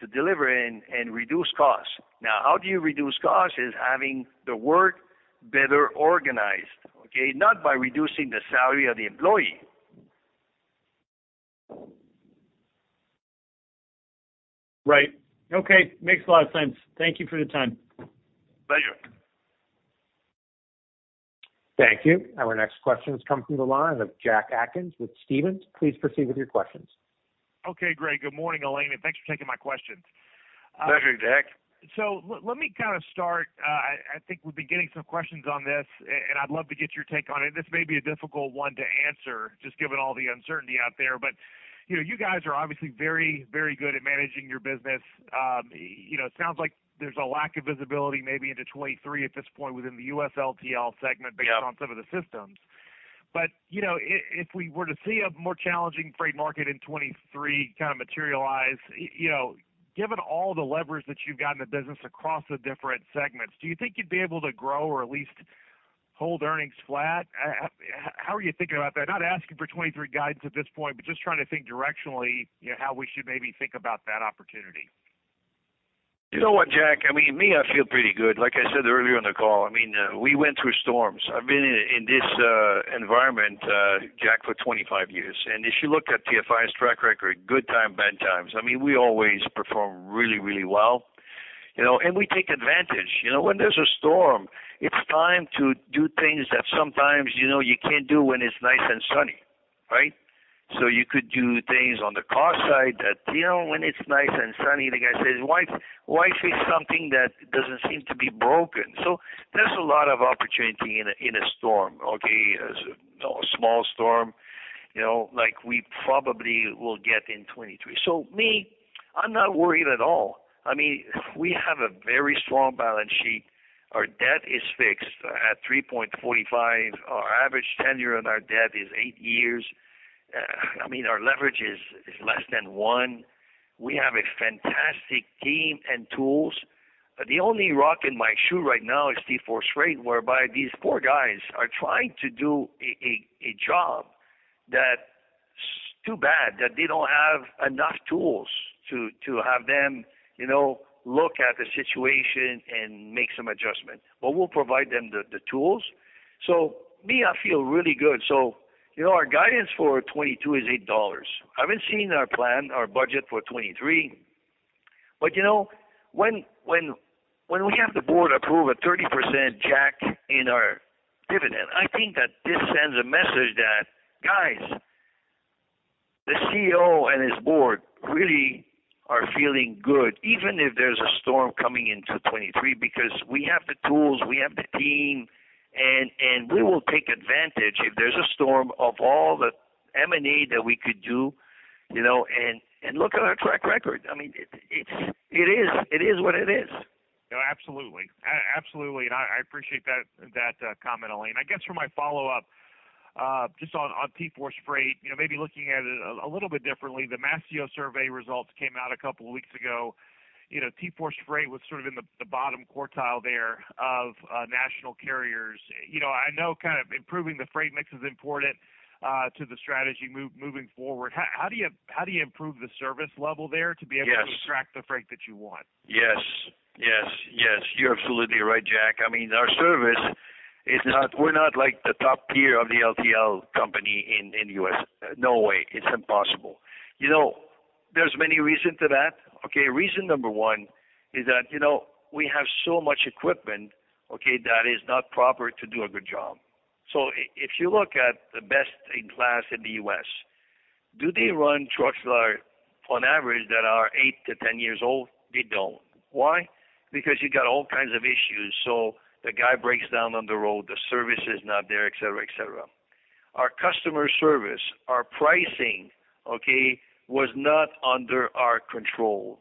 to deliver and reduce costs. Now, how do you reduce costs is having the work better organized, okay? Not by reducing the salary of the employee. Right. Okay. Makes a lot of sense. Thank you for the time. Pleasure. Thank you. Our next question comes from the line of Jack Atkins with Stephens. Please proceed with your questions. Okay, great. Good morning, Alain, and thanks for taking my questions. Thank you, Jack. Let me kind of start. I think we've been getting some questions on this, and I'd love to get your take on it. This may be a difficult one to answer, just given all the uncertainty out there. You know, you guys are obviously very, very good at managing your business. You know, it sounds like there's a lack of visibility maybe into 2023 at this point within the US LTL segment. Yeah. Based on some of the systems. You know, if we were to see a more challenging freight market in 2023 kind of materialize, you know, given all the levers that you've got in the business across the different segments, do you think you'd be able to grow or at least hold earnings flat? How are you thinking about that? Not asking for 2023 guidance at this point, but just trying to think directionally, you know, how we should maybe think about that opportunity. You know what, Jack? I mean, me, I feel pretty good. Like I said earlier on the call, I mean, we went through storms. I've been in this environment, Jack, for 25 years. If you look at TFI's track record, good time, bad times, I mean, we always perform really, really well, you know, and we take advantage. You know, when there's a storm, it's time to do things that sometimes, you know, you can't do when it's nice and sunny, right? You could do things on the cost side that, you know, when it's nice and sunny, like I said, why fix something that doesn't seem to be broken? There's a lot of opportunity in a storm, okay? A small storm, you know, like we probably will get in 2023. Me, I'm not worried at all. I mean, we have a very strong balance sheet. Our debt is fixed at 3.45%. Our average tenure on our debt is 8 years. I mean, our leverage is less than one. We have a fantastic team and tools. The only rock in my shoe right now is TForce Freight, whereby these poor guys are trying to do a job that's too bad that they don't have enough tools to have them, you know, look at the situation and make some adjustments. We'll provide them the tools. Me, I feel really good. You know, our guidance for 2022 is $8. I haven't seen our plan, our budget for 2023. You know, when we have the board approve a 30% hike in our dividend, I think that this sends a message that, "Guys, the CEO and his board really are feeling good, even if there's a storm coming into 2023, because we have the tools, we have the team, and we will take advantage if there's a storm of all the M&A that we could do, you know. Look at our track record. I mean, it is what it is. No, absolutely. I appreciate that comment, Alain. I guess for my follow-up, just on TForce Freight, you know, maybe looking at it a little bit differently. The Mastio survey results came out a couple weeks ago. You know, TForce Freight was sort of in the bottom quartile there of national carriers. You know, I know kind of improving the freight mix is important to the strategic move, moving forward. How do you improve the service level there to be able- Yes. to attract the freight that you want? Yes. Yes. Yes. You're absolutely right, Jack. I mean, we're not like the top tier of the LTL company in the U.S. No way. It's impossible. You know, there's many reason to that, okay? Reason number one is that, you know, we have so much equipment, okay, that is not proper to do a good job. If you look at the best in class in the U.S., do they run trucks that are on average 8-10 years old? They don't. Why? Because you got all kinds of issues. The guy breaks down on the road, the service is not there, et cetera. Our customer service, our pricing, okay, was not under our control,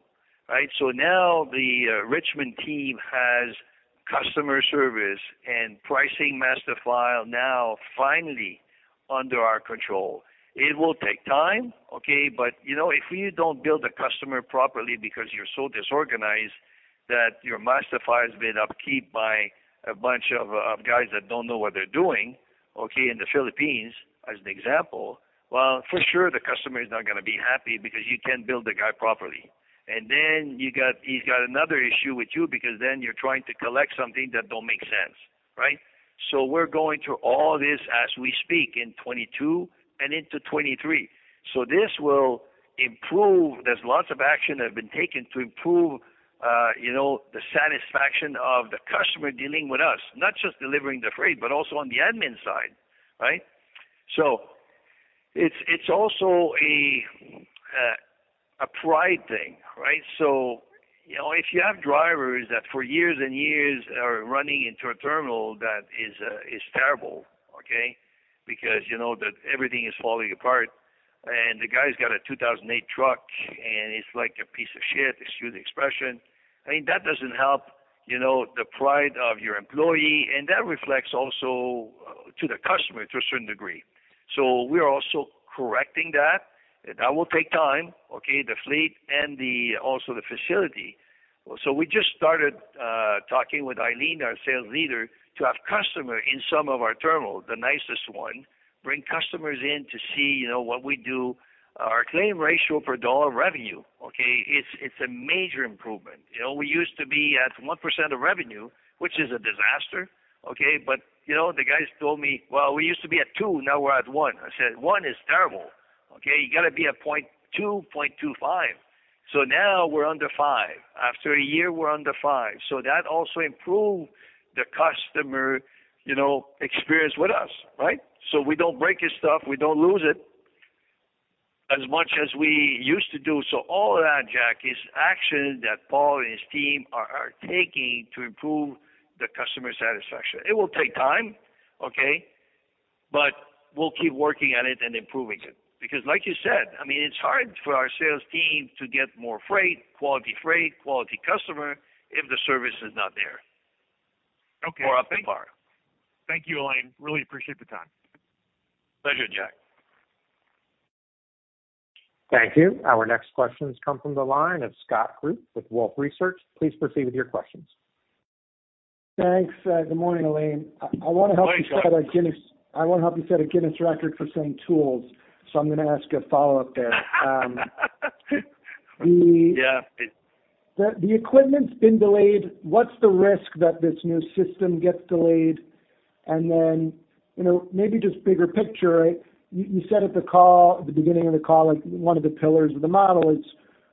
right? Now the Richmond team has customer service and pricing master file now finally under our control. It will take time, okay? You know, if you don't bill a customer properly because you're so disorganized that your master file has been kept up by a bunch of guys that don't know what they're doing, okay, in the Philippines, as an example, well, for sure the customer is not gonna be happy because you can't bill the guy properly. Then he's got another issue with you because then you're trying to collect something that don't make sense, right? We're going through all this as we speak in 2022 and into 2023. This will improve. There's lots of action that have been taken to improve, you know, the satisfaction of the customer dealing with us, not just delivering the freight, but also on the admin side, right? It's also a pride thing, right? You know, if you have drivers that for years and years are running into a terminal that is terrible, okay? Because you know that everything is falling apart, and the guy's got a 2008 truck, and it's like a piece of shit, excuse the expression. I mean, that doesn't help, you know, the pride of your employee, and that reflects also to the customer to a certain degree. We are also correcting that. That will take time, okay? The fleet and also the facility. We just started talking with Eileen, our sales leader, to have customers in some of our terminals, the nicest one, bring customers in to see, you know, what we do. Our claim ratio per dollar revenue, okay, it's a major improvement. You know, we used to be at 1% of revenue, which is a disaster, okay? You know, the guys told me, "Well, we used to be at 2%, now we're at 1%." I said, "One is terrible," okay? You gotta be at 0.2, 0.25. Now we're under 5%. After a year, we're under 5%. That also improved the customer, you know, experience with us, right? We don't break his stuff, we don't lose it as much as we used to do. All of that, Jack, is action that Paul and his team are taking to improve the customer satisfaction. It will take time, okay? We'll keep working at it and improving it. Because like you said, I mean, it's hard for our sales team to get more freight, quality freight, quality customer, if the service is not there. Okay. We're raising the bar. Thank you, Alain. Really appreciate the time. Pleasure, Jack. Thank you. Our next question comes from the line of Scott Group with Wolfe Research. Please proceed with your questions. Thanks. Good morning, Alain. Morning, Scott. I wanna help you set a Guinness record for saying tools, so I'm gonna ask a follow-up there. Yeah. The equipment's been delayed. What's the risk that this new system gets delayed? You know, maybe just bigger picture, you said at the beginning of the call, like, one of the pillars of the model is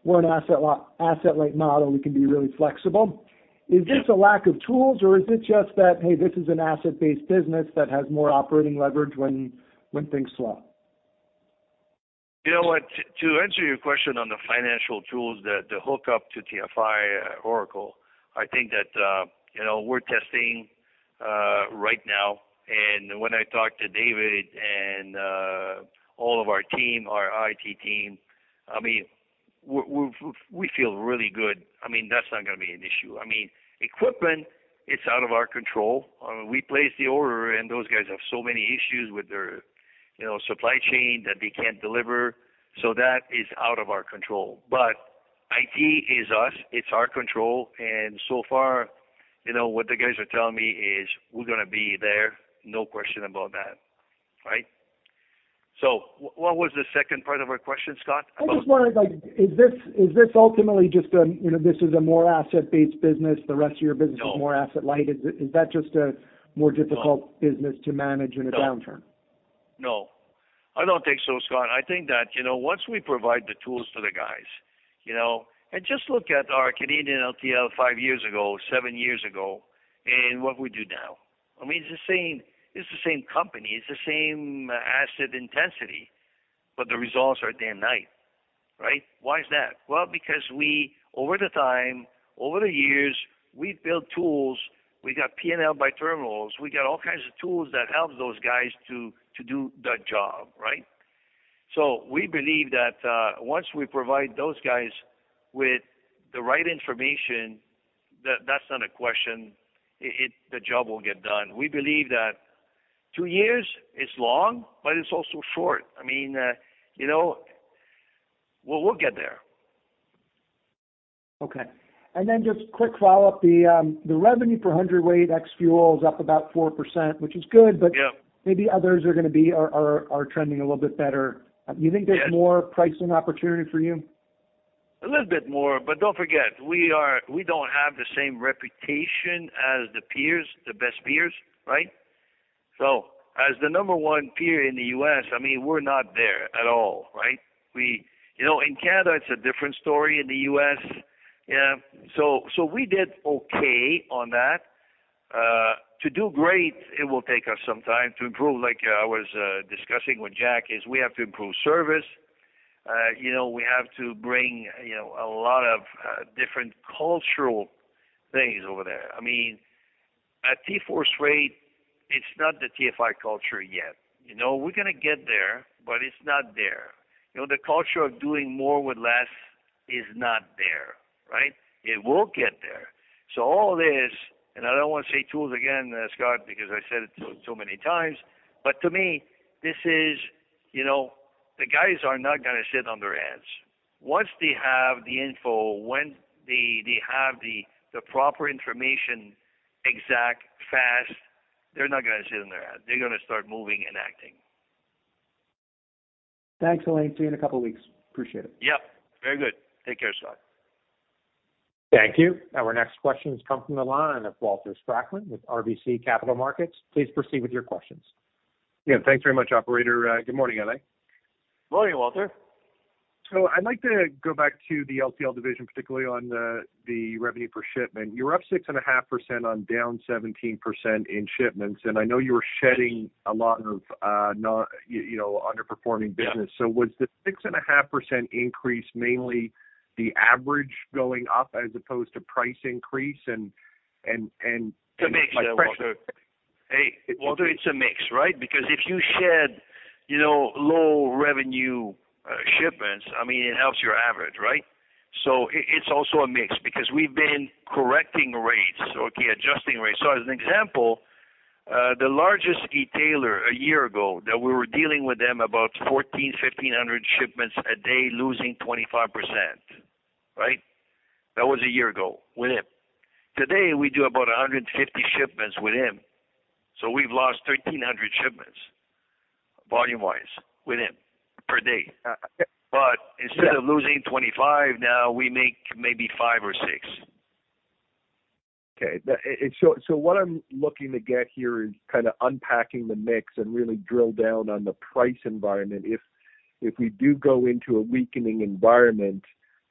we're an asset-light model, we can be really flexible. Is this a lack of tools or is it just that, hey, this is an asset-based business that has more operating leverage when things slow? You know what? To answer your question on the financial tools that hook up to TFI Oracle, I think that, you know, we're testing right now, and when I talk to David and all of our team, our IT team, I mean, we feel really good. I mean, that's not gonna be an issue. I mean, equipment, it's out of our control. We place the order, and those guys have so many issues with their, you know, supply chain that they can't deliver. So that is out of our control. But IT is us, it's our control, and so far, you know, what the guys are telling me is we're gonna be there, no question about that, right? So what was the second part of our question, Scott, about? I just wondered, like, is this ultimately just a, you know, this is a more asset-based business, the rest of your business. No. is more asset-light. Is that just a more difficult business to manage in a downturn? No. I don't think so, Scott. I think that, you know, once we provide the tools to the guys, you know. Just look at our Canadian LTL 5 years ago, 7 years ago, and what we do now. I mean, it's the same, it's the same company, it's the same asset intensity, but the results are damn right. Why is that? Well, because over time, over the years, we've built tools. We got P&L by terminals. We got all kinds of tools that help those guys to do the job, right? We believe that once we provide those guys with the right information, that's not a question. The job will get done. We believe that 2 years is long, but it's also short. I mean, you know, we'll get there. Okay. Just quick follow-up. The revenue per hundredweight ex-fuel is up about 4%, which is good. Yeah. Maybe others are gonna be are trending a little bit better. Yes. You think there's more pricing opportunity for you? A little bit more, but don't forget, we don't have the same reputation as the peers, the best peers, right? As the number one peer in the US, I mean, we're not there at all, right? You know, in Canada, it's a different story, in the US. We did okay on that. To do great, it will take us some time to improve. Like I was discussing with Jack, is we have to improve service. You know, we have to bring, you know, a lot of different cultural things over there. I mean, at TForce Freight, it's not the TFI culture yet. You know, we're gonna get there, but it's not there. You know, the culture of doing more with less is not there, right? It will get there. All this, and I don't wanna say tools again, Scott, because I said it too many times, but to me, this is, you know, the guys are not gonna sit on their ass. Once they have the info, when they have the proper information, exact, fast, they're not gonna sit on their ass. They're gonna start moving and acting. Thanks, Alain. See you in a couple of weeks. Appreciate it. Yep, very good. Take care, Scott. Thank you. Our next question comes from the line of Walter Spracklin with RBC Capital Markets. Please proceed with your questions. Yeah, thanks very much, operator. Good morning, Alain. Morning, Walter. I'd like to go back to the LTL division, particularly on the revenue per shipment. You're up 6.5% on down 17% in shipments, and I know you were shedding a lot of, you know, underperforming business. Yeah. Was the 6.5% increase mainly the average going up as opposed to price increase and? It's a mix, Walter. like pressure. Hey, Walter, it's a mix, right? Because if you shed, you know, low revenue shipments, I mean, it helps your average, right? It's also a mix because we've been correcting rates, okay, adjusting rates. As an example, the largest e-tailer a year ago that we were dealing with them about 1,400, 1,500 shipments a day, losing 25%, right? That was a year ago with him. Today, we do about 150 shipments with him, so we've lost 1,300 shipments, volume-wise, with him per day. But instead of losing 25, now we make maybe 5 or 6. Okay, what I'm looking to get here is kinda unpacking the mix and really drill down on the price environment. If we do go into a weakening environment,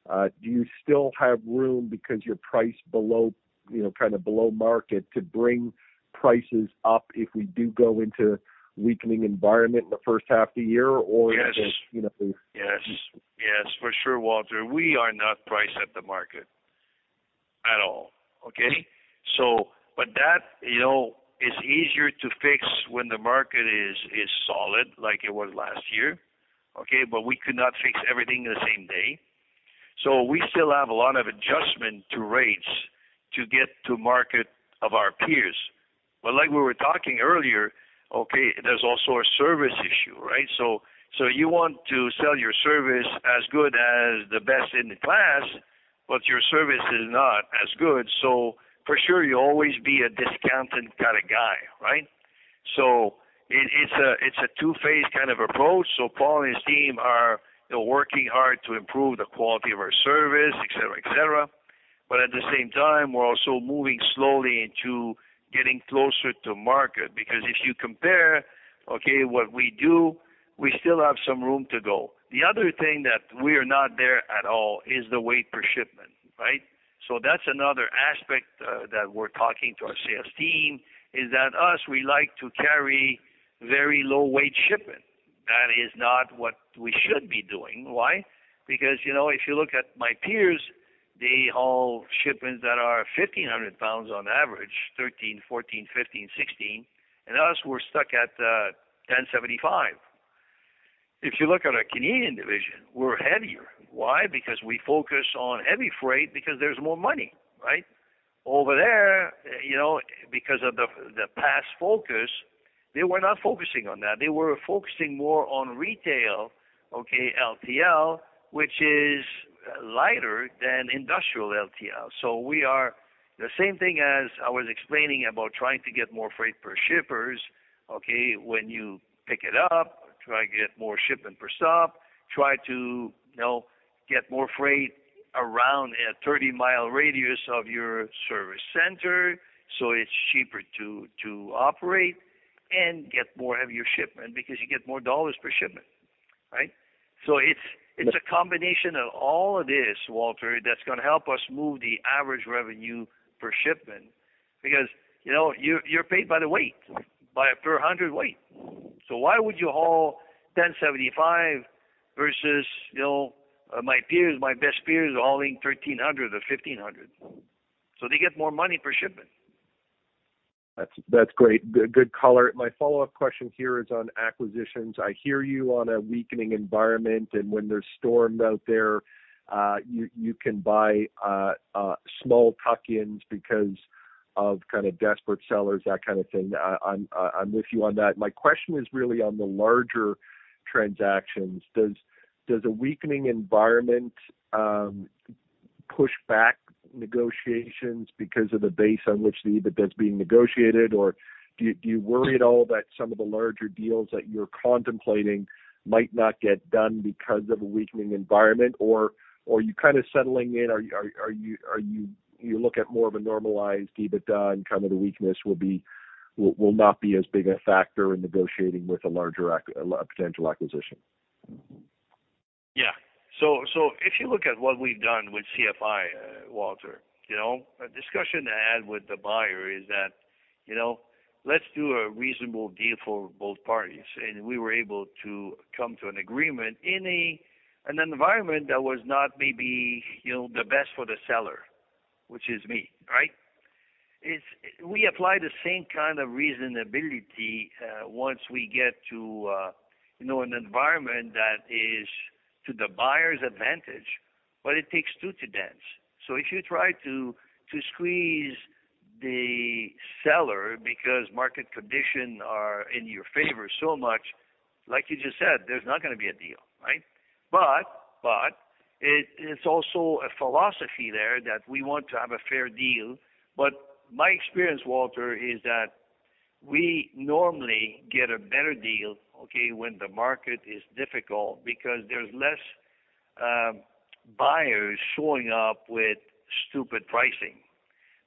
do you still have room because you're priced below, you know, kinda below market to bring prices up if we do go into weakening environment in the first half of the year? Or- Yes. You know. Yes. For sure, Walter. We are not priced at the market at all, okay? That, you know, is easier to fix when the market is solid like it was last year, okay? We could not fix everything in the same day. We still have a lot of adjustment to rates to get to market of our peers. Like we were talking earlier, okay, there's also a service issue, right? You want to sell your service as good as the best in the class, but your service is not as good. For sure, you'll always be a discounted kinda guy, right? It is a two-phase kind of approach. Paul and his team are, you know, working hard to improve the quality of our service, et cetera. At the same time, we're also moving slowly into getting closer to market. If you compare, okay, what we do, we still have some room to go. The other thing that we are not there at all is the weight per shipment, right? That's another aspect that we're talking to our sales team, is that us, we like to carry very low weight shipment. That is not what we should be doing. Why? You know, if you look at my peers, they haul shipments that are 1,500 pounds on average, 13, 14, 15, 16, and us, we're stuck at 1,075. If you look at our Canadian division, we're heavier. Why? Because we focus on heavy freight because there's more money, right? Over there, you know, because of the past focus, they were not focusing on that. They were focusing more on retail, okay, LTL, which is lighter than industrial LTL. We are the same thing as I was explaining about trying to get more freight per shippers, okay, when you pick it up, try to get more shipment per stop, try to, you know, get more freight around a 30-mile radius of your service center, so it's cheaper to operate and get more heavier shipment because you get more dollars per shipment. Right? It's a combination of all of this, Walter, that's gonna help us move the average revenue per shipment. Because, you know, you're paid by the weight, by a per hundredweight. Why would you haul 1,075 versus, you know, my peers, my best peers are hauling 1,300 or 1,500. They get more money per shipment. That's great. Good color. My follow-up question here is on acquisitions. I hear you on a weakening environment and when there's storms out there, you can buy small tuck-ins because of kinda desperate sellers, that kind of thing. I'm with you on that. My question is really on the larger transactions. Does a weakening environment push back negotiations because of the base on which the EBITDA is being negotiated? Or do you worry at all that some of the larger deals that you're contemplating might not get done because of a weakening environment? Or are you kinda settling in? Are you looking at more of a normalized EBITDA and kind of the weakness will not be as big a factor in negotiating with a larger potential acquisition. Yeah. If you look at what we've done with CFI, Walter, you know, a discussion I had with the buyer is that, you know, let's do a reasonable deal for both parties. We were able to come to an agreement in an environment that was not maybe, you know, the best for the seller, which is me, right? We apply the same kind of reasonableness once we get to, you know, an environment that is to the buyer's advantage. It takes two to dance. If you try to squeeze the seller because market conditions are in your favor so much, like you just said, there's not gonna be a deal, right? It's also a philosophy there that we want to have a fair deal. My experience, Walter, is that we normally get a better deal, okay, when the market is difficult because there's less buyers showing up with stupid pricing.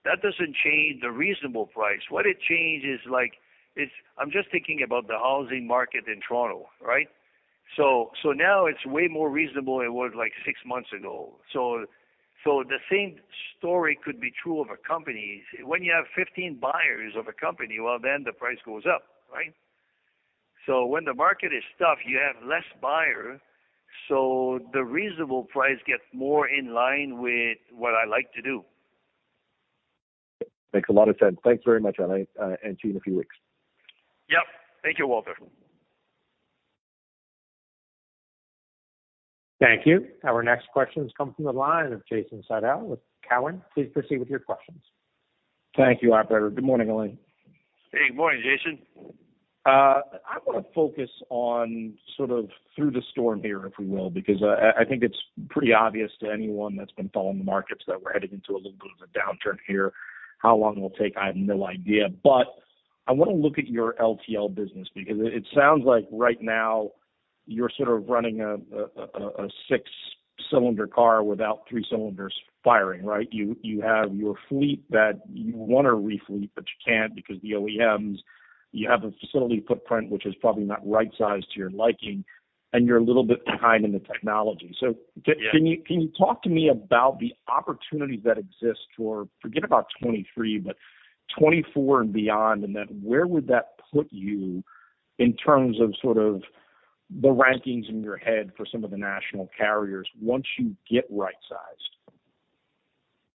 That doesn't change the reasonable price. What it changes is like, it's. I'm just thinking about the housing market in Toronto, right? So the same story could be true of a company. When you have 15 buyers of a company, well, then the price goes up, right? So when the market is tough, you have less buyers, so the reasonable price gets more in line with what I like to do. Makes a lot of sense. Thanks very much, Alain, and to you in a few weeks. Yep. Thank you, Walter. Thank you. Our next question comes from the line of Jason Seidl with Cowen. Please proceed with your questions. Thank you, operator. Good morning, Alain. Hey, good morning, Jason. I wanna focus on sort of through the storm here, if we will, because I think it's pretty obvious to anyone that's been following the markets that we're heading into a little bit of a downturn here. How long it'll take, I have no idea. I wanna look at your LTL business because it sounds like right now you're sort of running a six-cylinder car without three cylinders firing, right? You have your fleet that you wanna refleet, but you can't because the OEMs. You have a facility footprint which is probably not right sized to your liking, and you're a little bit behind in the technology. Yeah. Can you talk to me about the opportunities that exist for, forget about 2023, but 2024 and beyond, and then where would that put you in terms of sort of the rankings in your head for some of the national carriers once you get right sized?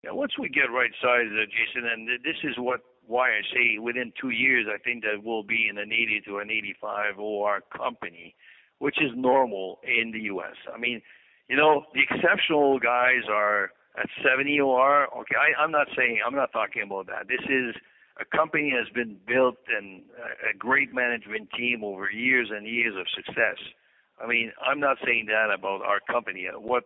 Yeah. Once we get right sized, Jason, and this is what, why I say within two years, I think that we'll be in an 80 to an 85 OR company, which is normal in the US. I mean, you know, the exceptional guys are at 70 OR. Okay, I'm not saying. I'm not talking about that. This is a company that has been built and a great management team over years and years of success. I mean, I'm not saying that about our company. What,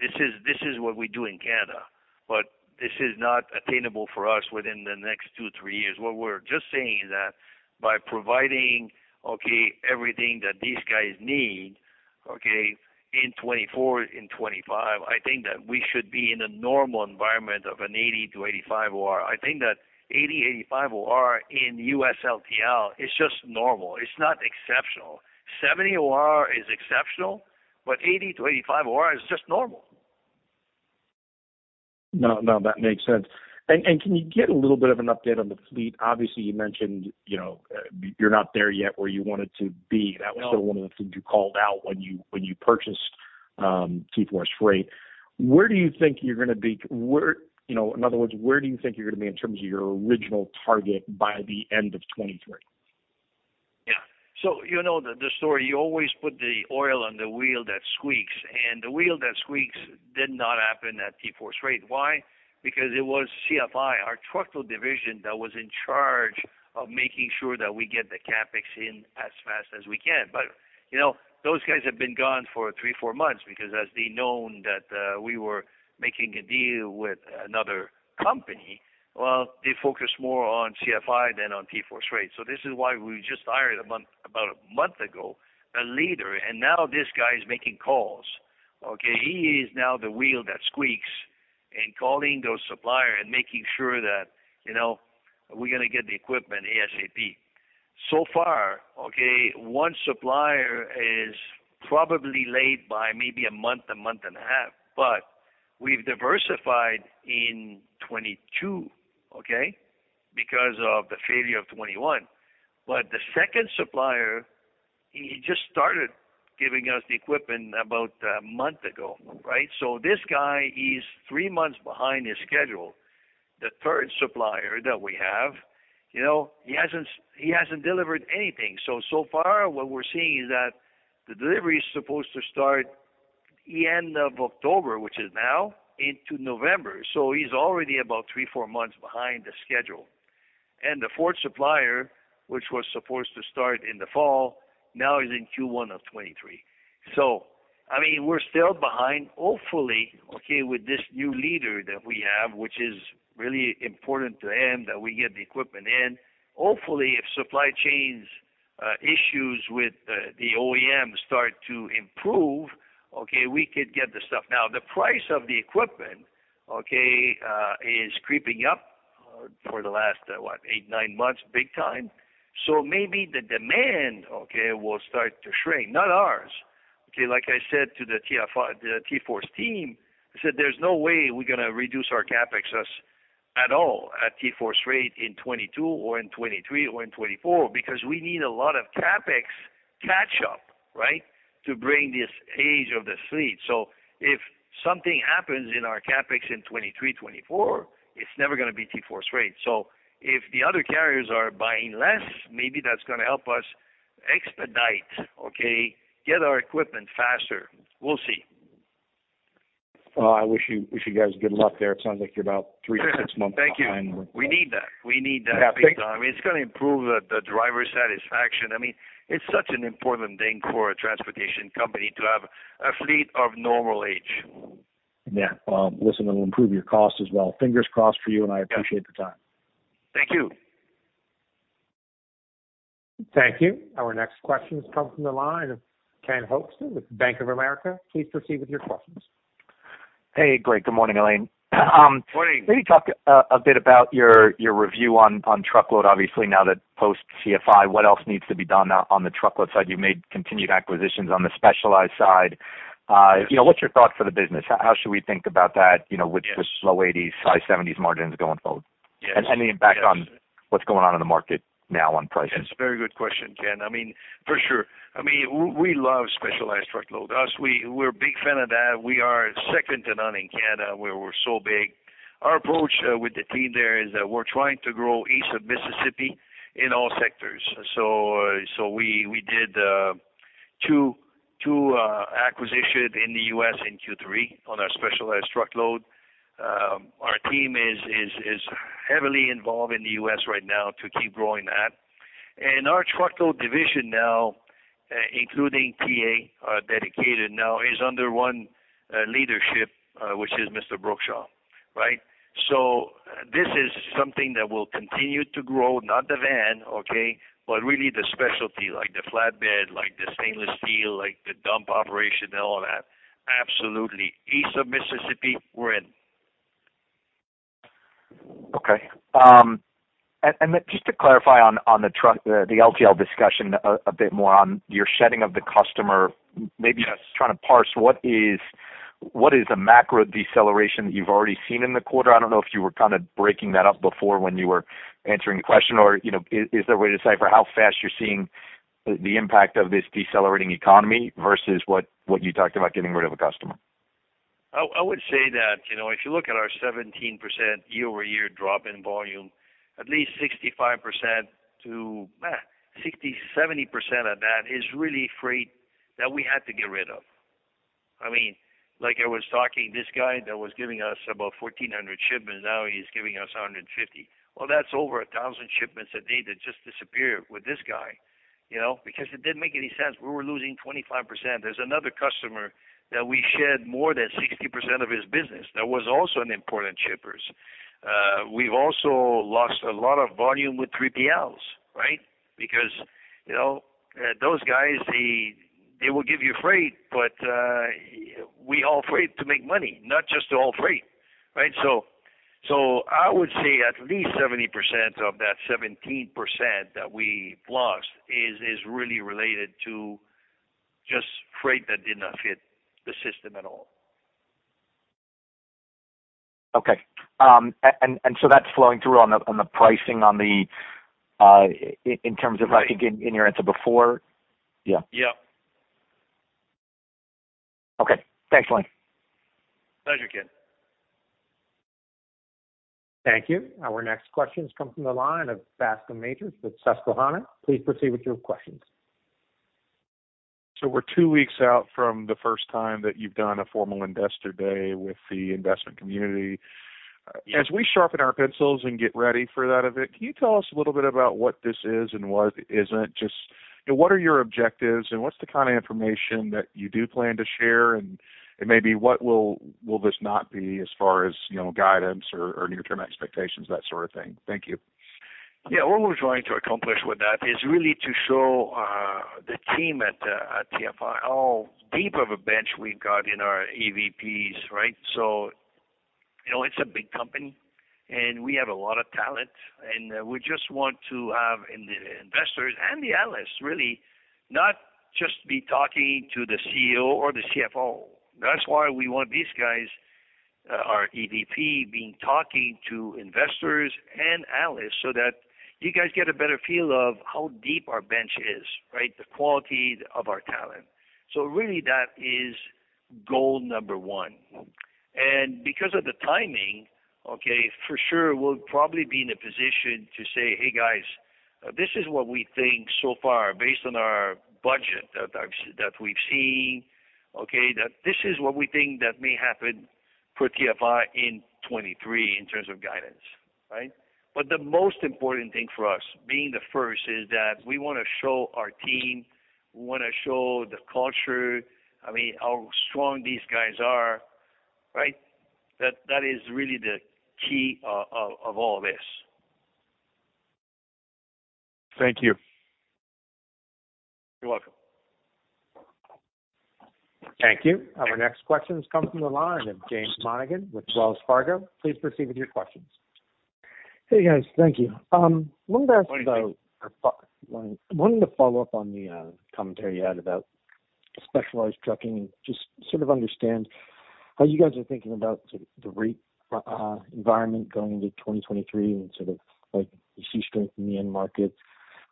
this is what we do in Canada, but this is not attainable for us within the next two, three years. What we're just saying is that by providing, okay, everything that these guys need, okay, in 2024, in 2025, I think that we should be in a normal environment of an 80 to 85 OR. I think that 80-85 OR in U.S. LTL is just normal. It's not exceptional. 70 OR is exceptional, but 80-85 OR is just normal. No, no, that makes sense. Can you get a little bit of an update on the fleet? Obviously, you mentioned, you know, you're not there yet where you wanted to be. No. That was sort of one of the things you called out when you purchased TForce Freight. Where do you think you're gonna be? Where, you know, in other words, where do you think you're gonna be in terms of your original target by the end of 2023? Yeah. You know the story, you always put the oil on the wheel that squeaks, and the wheel that squeaks did not happen at TForce Freight. Why? Because it was CFI, our truckload division that was in charge of making sure that we get the CapEx in as fast as we can. You know, those guys have been gone for 3 or 4 months because as they knew that we were making a deal with another company. Well, they focused more on CFI than on TForce Freight. This is why we just hired about a month ago a leader, and now this guy is making calls. Okay, he is now the wheel that squeaks and calling those supplier and making sure that, you know, we're gonna get the equipment ASAP. So far, okay, one supplier is probably late by maybe a month, a month and a half, but we've diversified in 2022, okay, because of the failure of 2021. The second supplier, he just started giving us the equipment about a month ago, right? This guy is 3 months behind his schedule. The third supplier that we have, you know, he hasn't delivered anything. So far what we're seeing is that the delivery is supposed to start end of October, which is now into November. He's already about 3-4 months behind the schedule. The fourth supplier, which was supposed to start in the fall, now is in Q1 of 2023. I mean, we're still behind, hopefully, okay, with this new leader that we have, which is really important to him that we get the equipment in. Hopefully, if supply chains issues with the OEM start to improve, okay, we could get the stuff. Now, the price of the equipment, okay, is creeping up for the last, what, eight, nine months, big time. Maybe the demand, okay, will start to shrink. Not ours. Okay, like I said to the TForce team, I said there's no way we're gonna reduce our CapEx at all at TForce Freight in 2022 or in 2023 or in 2024 because we need a lot of CapEx catch up, right, to bring this age of the fleet. If something happens in our CapEx in 2023, 2024, it's never gonna be TForce Freight. If the other carriers are buying less, maybe that's gonna help us expedite, okay, get our equipment faster. We'll see. Well, I wish you guys good luck there. It sounds like you're about 3-6 months behind. Thank you. We need that big time. I mean, it's gonna improve the driver satisfaction. I mean, it's such an important thing for a transportation company to have a fleet of normal age. Yeah. Listen, it will improve your cost as well. Fingers crossed for you, and I appreciate the time. Thank you. Thank you. Our next question comes from the line of Ken Hoexter with Bank of America. Please proceed with your questions. Hey, great. Good morning, Alain. Morning. Can you talk a bit about your review on truckload, obviously now that post TFI, what else needs to be done on the truckload side? You've made continued acquisitions on the specialized side. You know, what's your thought for the business? How should we think about that, you know, with the low 80s, high 70s margins going forward? Yes. Any impact on what's going on in the market now on pricing? It's a very good question, Ken. I mean, for sure. I mean, we love specialized truckload. Us, we're a big fan of that. We are second to none in Canada, where we're so big. Our approach with the team there is that we're trying to grow east of Mississippi in all sectors. We did two acquisitions in the US in Q3 on our specialized truckload. Our team is heavily involved in the US right now to keep growing that. Our truckload division now, including TA, dedicated now is under one leadership, which is Mr. Brookshaw, right? This is something that will continue to grow, not the van, okay, but really the specialty, like the flatbed, like the stainless steel, like the dump operation and all that. Absolutely. East of Mississippi, we're in. Okay. Just to clarify on the LTL discussion a bit more on your shedding of the customer, maybe just trying to parse what is the macro deceleration that you've already seen in the quarter? I don't know if you were kinda breaking that up before when you were answering the question or, you know, is there a way to decipher how fast you're seeing the impact of this decelerating economy versus what you talked about getting rid of a customer? I would say that, you know, if you look at our 17% year-over-year drop in volume, at least 65% to 60%-70% of that is really freight that we had to get rid of. I mean, like I was talking, this guy that was giving us about 1,400 shipments, now he's giving us 150. Well, that's over 1,000 shipments a day that just disappeared with this guy, you know, because it didn't make any sense. We were losing 25%. There's another customer that we shed more than 60% of his business that was also an important shipper. We've also lost a lot of volume with 3PLs, right? Because, you know, those guys, they will give you freight, but we haul freight to make money, not just to haul freight, right? I would say at least 70% of that 17% that we lost is really related to just freight that did not fit the system at all. Okay. That's flowing through on the pricing in terms of like in your answer before. Yeah. Yeah. Okay. Thanks, Alain. Pleasure, Ken. Thank you. Our next question comes from the line of Bascome Majors with Susquehanna. Please proceed with your questions. We're two weeks out from the first time that you've done a formal investor day with the investment community. As we sharpen our pencils and get ready for that event, can you tell us a little bit about what this is and what isn't? Just, you know, what are your objectives and what's the kinda information that you do plan to share? Maybe what will this not be as far as, you know, guidance or near term expectations, that sort of thing. Thank you. Yeah. What we're trying to accomplish with that is really to show the team at TFI how deep of a bench we've got in our EVPs, right? You know, it's a big company and we have a lot of talent, and we just want to have the investors and the analysts really not just be talking to the CEO or the CFO. That's why we want these guys, our EVP being talking to investors and analysts so that you guys get a better feel of how deep our bench is, right? The quality of our talent. Really that is goal number one. Because of the timing, okay, for sure, we'll probably be in a position to say, "Hey, guys, this is what we think so far based on our budget that we've seen, okay, that this is what we think that may happen for TFI in 2023 in terms of guidance." Right. But the most important thing for us being the first is that we wanna show our team, we wanna show the culture. I mean, how strong these guys are, right. That is really the key of all this. Thank you. You're welcome. Thank you. Our next question has come from the line of James Monaghan with Wells Fargo. Please proceed with your questions. Hey, guys. Thank you. Wanted to follow up on the commentary you had about specialized trucking and just sort of understand how you guys are thinking about sort of the rate environment going into 2023 and sort of like you see strength in the end markets.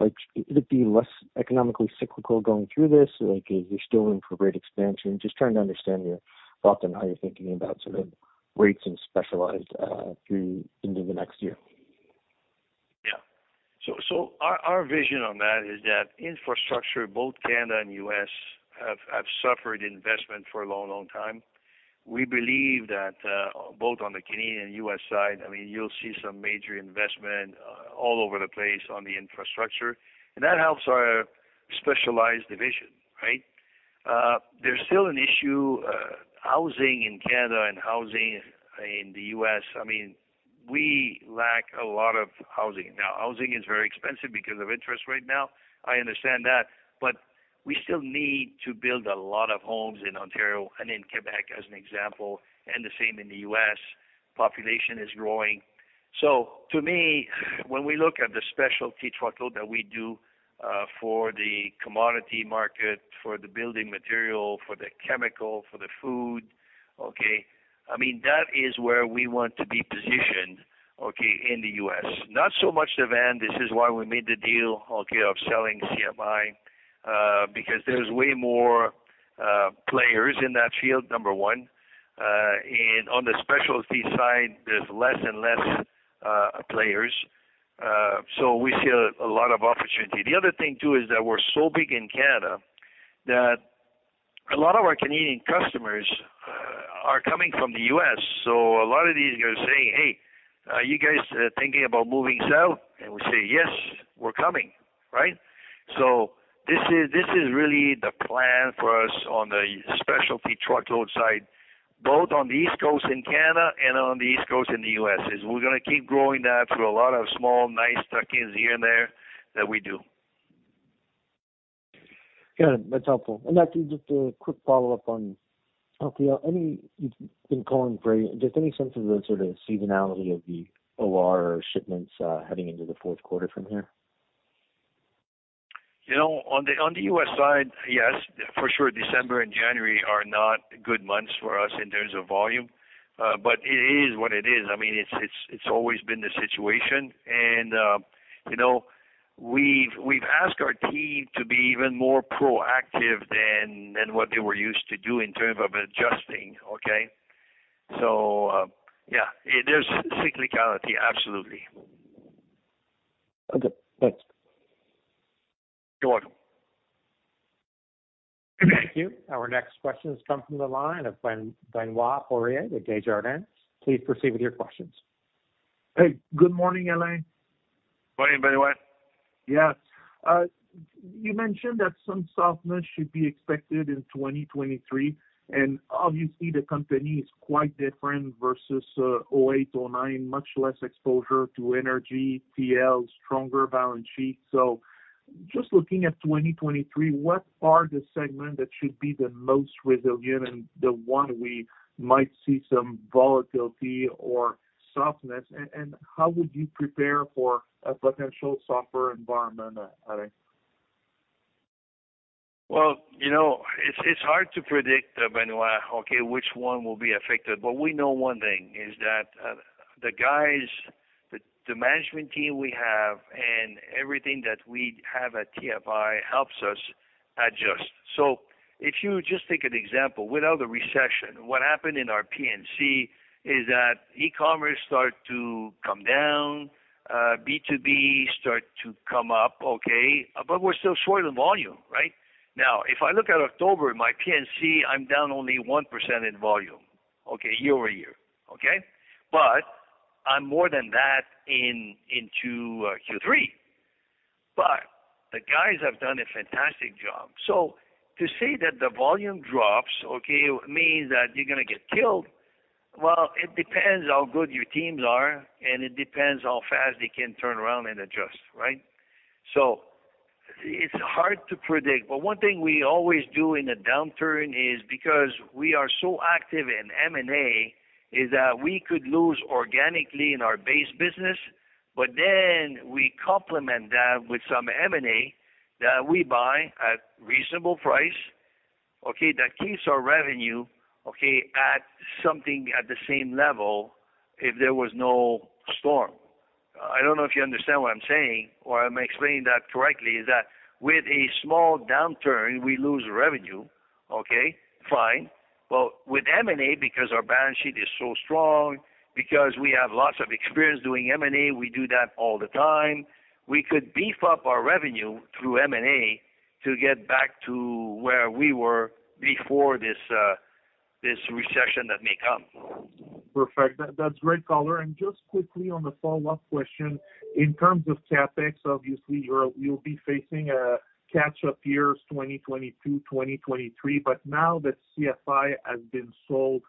Like, it would be less economically cyclical going through this, like, you're still in for rate expansion. Just trying to understand your thought on how you're thinking about sort of rates and specialized through into the next year. Yeah. Our vision on that is that infrastructure, both Canada and U.S., have suffered investment for a long, long time. We believe that both on the Canadian and U.S. side, I mean, you'll see some major investment all over the place on the infrastructure, and that helps our specialized division, right? There's still an issue housing in Canada and housing in the U.S. I mean, we lack a lot of housing. Now, housing is very expensive because of interest rate now, I understand that, but we still need to build a lot of homes in Ontario and in Quebec, as an example, and the same in the U.S. Population is growing. To me, when we look at the specialty truckload that we do for the commodity market, for the building material, for the chemical, for the food, I mean, that is where we want to be positioned in the U.S. Not so much the van. This is why we made the deal of selling CFI because there's way more players in that field, number one. On the specialty side, there's less and less players. We see a lot of opportunity. The other thing too is that we're so big in Canada that a lot of our Canadian customers are coming from the U.S. A lot of these guys are saying, "Hey, are you guys thinking about moving south?" And we say, "Yes, we're coming." Right? This is really the plan for us on the specialty truckload side, both on the East Coast in Canada and on the East Coast in the U.S., is we're gonna keep growing that through a lot of small, nice tuck-ins here and there that we do. Got it. That's helpful. Actually, just a quick follow-up on, you've been calling for just any sense of the sort of seasonality of the OR or shipments heading into the fourth quarter from here? You know, on the US side, yes, for sure, December and January are not good months for us in terms of volume. It is what it is. I mean, it's always been the situation. You know, we've asked our team to be even more proactive than what they were used to do in terms of adjusting. Okay. Yeah, there's cyclicality. Absolutely. Okay, thanks. You're welcome. Thank you. Our next question has come from the line of Benoit Poirier with Desjardins. Please proceed with your questions. Hey, good morning, Alain. Morning, Benoit. Yeah. You mentioned that some softness should be expected in 2023, and obviously the company is quite different versus 2008, 2009, much less exposure to energy, TL, stronger balance sheet. Just looking at 2023, what are the segment that should be the most resilient and the one we might see some volatility or softness? How would you prepare for a potential softer environment, Alain? Well, you know, it's hard to predict, Benoit, which one will be affected. We know one thing is that the guys, the management team we have and everything that we have at TFI helps us adjust. If you just take an example, without a recession, what happened in our P&C is that e-commerce start to come down, B2B start to come up, okay? We're still short in volume. Right? Now, if I look at October, my P&C, I'm down only 1% in volume, okay, year-over-year. Okay? I'm more than that into Q3. The guys have done a fantastic job. To say that the volume drops, okay, means that you're gonna get killed. Well, it depends how good your teams are, and it depends how fast they can turn around and adjust. Right? It's hard to predict, but one thing we always do in a downturn is because we are so active in M&A, is that we could lose organically in our base business, but then we complement that with some M&A that we buy at reasonable price, okay? That keeps our revenue, okay, at something at the same level if there was no storm. I don't know if you understand what I'm saying or I'm explaining that correctly, is that with a small downturn, we lose revenue, okay, fine. But with M&A, because our balance sheet is so strong, because we have lots of experience doing M&A, we do that all the time. We could beef up our revenue through M&A to get back to where we were before this recession that may come. Perfect. That's great color. Just quickly on the follow-up question, in terms of CapEx, obviously you'll be facing a catch-up years 2022, 2023, but now that CFI has been sold,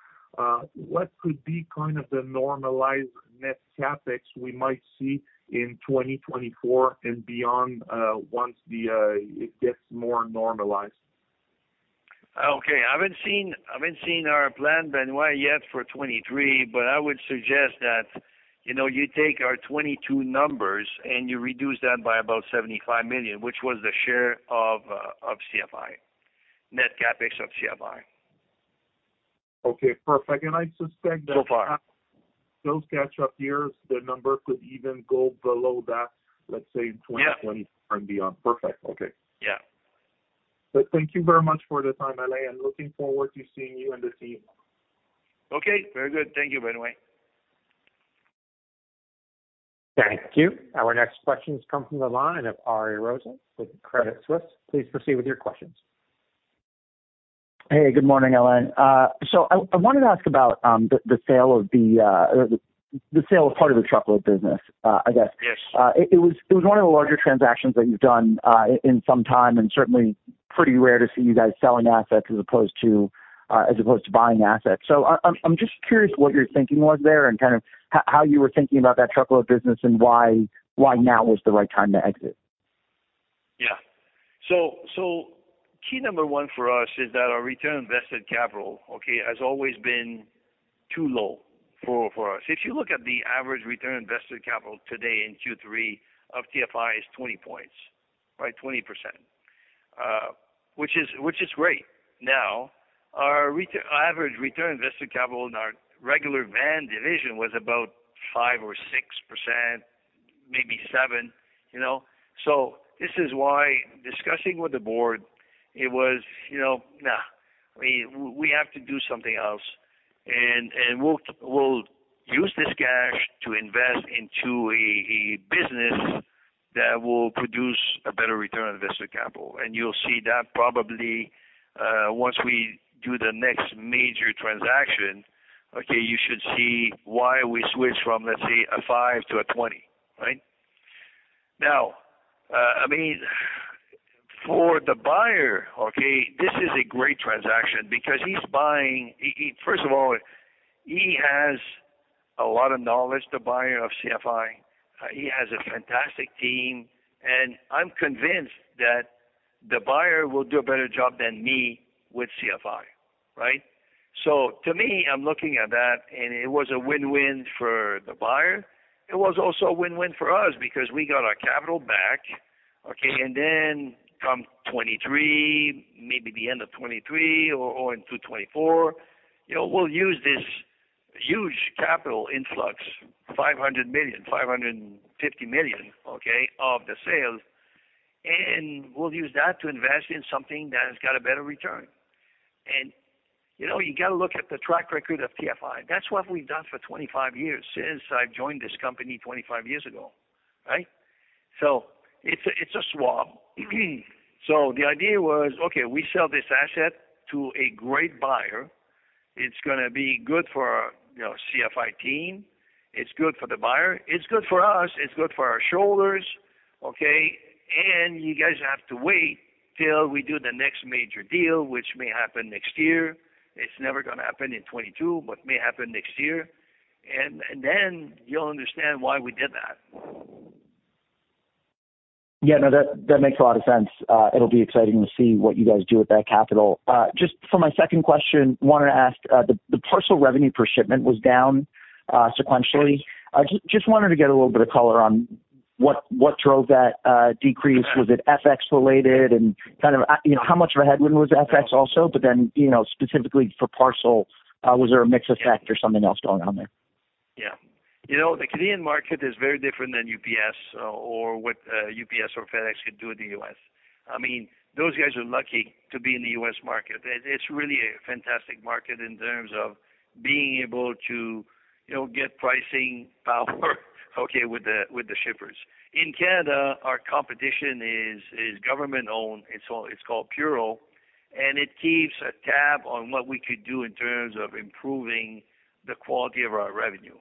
what could be kind of the normalized net CapEx we might see in 2024 and beyond, once it gets more normalized? Okay. I haven't seen our plan, Benoit, yet for 2023, but I would suggest that, you know, you take our 2022 numbers and you reduce that by about $75 million, which was the share of CFI net CapEx. Okay, perfect. I suspect that. Far. Those catch up years, the number could even go below that, let's say 20- Yeah. 20 and beyond. Perfect. Okay. Yeah. Thank you very much for the time, Alain. I'm looking forward to seeing you and the team. Okay, very good. Thank you, Benoit. Thank you. Our next question comes from the line of Ari Rosa with Credit Suisse. Please proceed with your questions. Hey, good morning, Alain. So I wanted to ask about the sale of part of the truckload business, I guess. Yes. It was one of the larger transactions that you've done in some time, and certainly pretty rare to see you guys selling assets as opposed to buying assets. I'm just curious what your thinking was there and kind of how you were thinking about that truckload business and why now was the right time to exit? Yeah. Key number one for us is that our return on invested capital, okay, has always been too low for us. If you look at the average return on invested capital today in Q3 of TFI is 20 points, right? 20%. Which is great. Now, our average return on invested capital in our regular van division was about 5% or 6%, maybe 7%, you know. This is why discussing with the board, it was, you know, nah, we have to do something else. We'll use this cash to invest into a business that will produce a better return on invested capital. You'll see that probably once we do the next major transaction, okay, you should see why we switched from, let's say, a 5 to a 20, right? Now, I mean, for the buyer, okay, this is a great transaction because he's buying. He first of all, he has a lot of knowledge, the buyer of CFI. He has a fantastic team, and I'm convinced that the buyer will do a better job than me with CFI, right? So to me, I'm looking at that, and it was a win-win for the buyer. It was also a win-win for us because we got our capital back, okay? From 2023, maybe the end of 2023 or into 2024, you know, we'll use this huge capital influx, $500 million, $550 million, okay, of the sales, and we'll use that to invest in something that has got a better return. You know, you gotta look at the track record of TFI. That's what we've done for 25 years, since I've joined this company 25 years ago, right? It's a, it's a swap. The idea was, okay, we sell this asset to a great buyer. It's gonna be good for, you know, CFI team. It's good for the buyer. It's good for us. It's good for our shareholders, okay? You guys have to wait till we do the next major deal, which may happen next year. It's never gonna happen in 2022, but may happen next year. Then you'll understand why we did that. Yeah. No, that makes a lot of sense. It'll be exciting to see what you guys do with that capital. Just for my second question, wanted to ask, the parcel revenue per shipment was down sequentially. Just wanted to get a little bit of color on what drove that decrease. Was it FX related? Kind of, you know, how much of a headwind was FX also, but then, you know, specifically for parcel, was there a mix effect or something else going on there? Yeah. You know, the Canadian market is very different than UPS or FedEx could do in the U.S. I mean, those guys are lucky to be in the U.S. market. It's really a fantastic market in terms of being able to, you know, get pricing power, okay, with the shippers. In Canada, our competition is government-owned. It's called Purolator, and it keeps tabs on what we could do in terms of improving the quality of our revenue.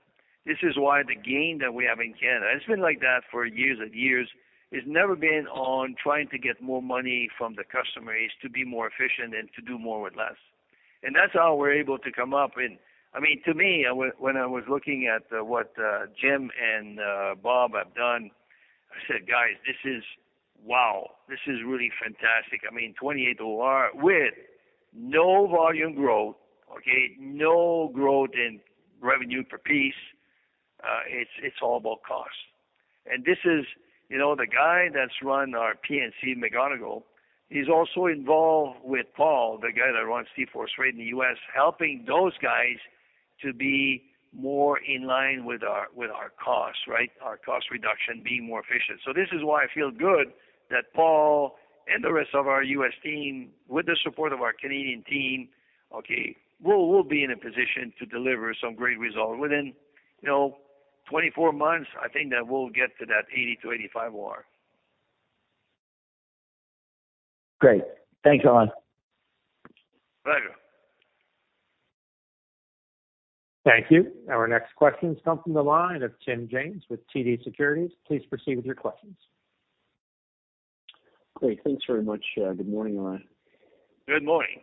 This is why the game that we have in Canada, it's been like that for years and years. It's never been on trying to get more money from the customers to be more efficient and to do more with less. That's how we're able to come up. I mean, to me, when I was looking at what Jim and Bob have done, I said, "Guys, this is wow. This is really fantastic." I mean, 28 OR with no volume growth, okay, no growth in revenue per piece. It's all about cost. This is, you know, the guy that's run our P&C, McGonigle. He's also involved with Paul, the guy that runs TForce Freight in the U.S., helping those guys to be more in line with our costs, right? Our cost reduction, being more efficient. This is why I feel good that Paul and the rest of our U.S. team, with the support of our Canadian team, okay, we'll be in a position to deliver some great results within, you know, 24 months. I think that we'll get to that 80-85 OR. Great. Thanks, Alain. Very good. Thank you. Our next question comes from the line of Tim James with TD Securities. Please proceed with your questions. Great. Thanks very much. Good morning, Alain. Good morning.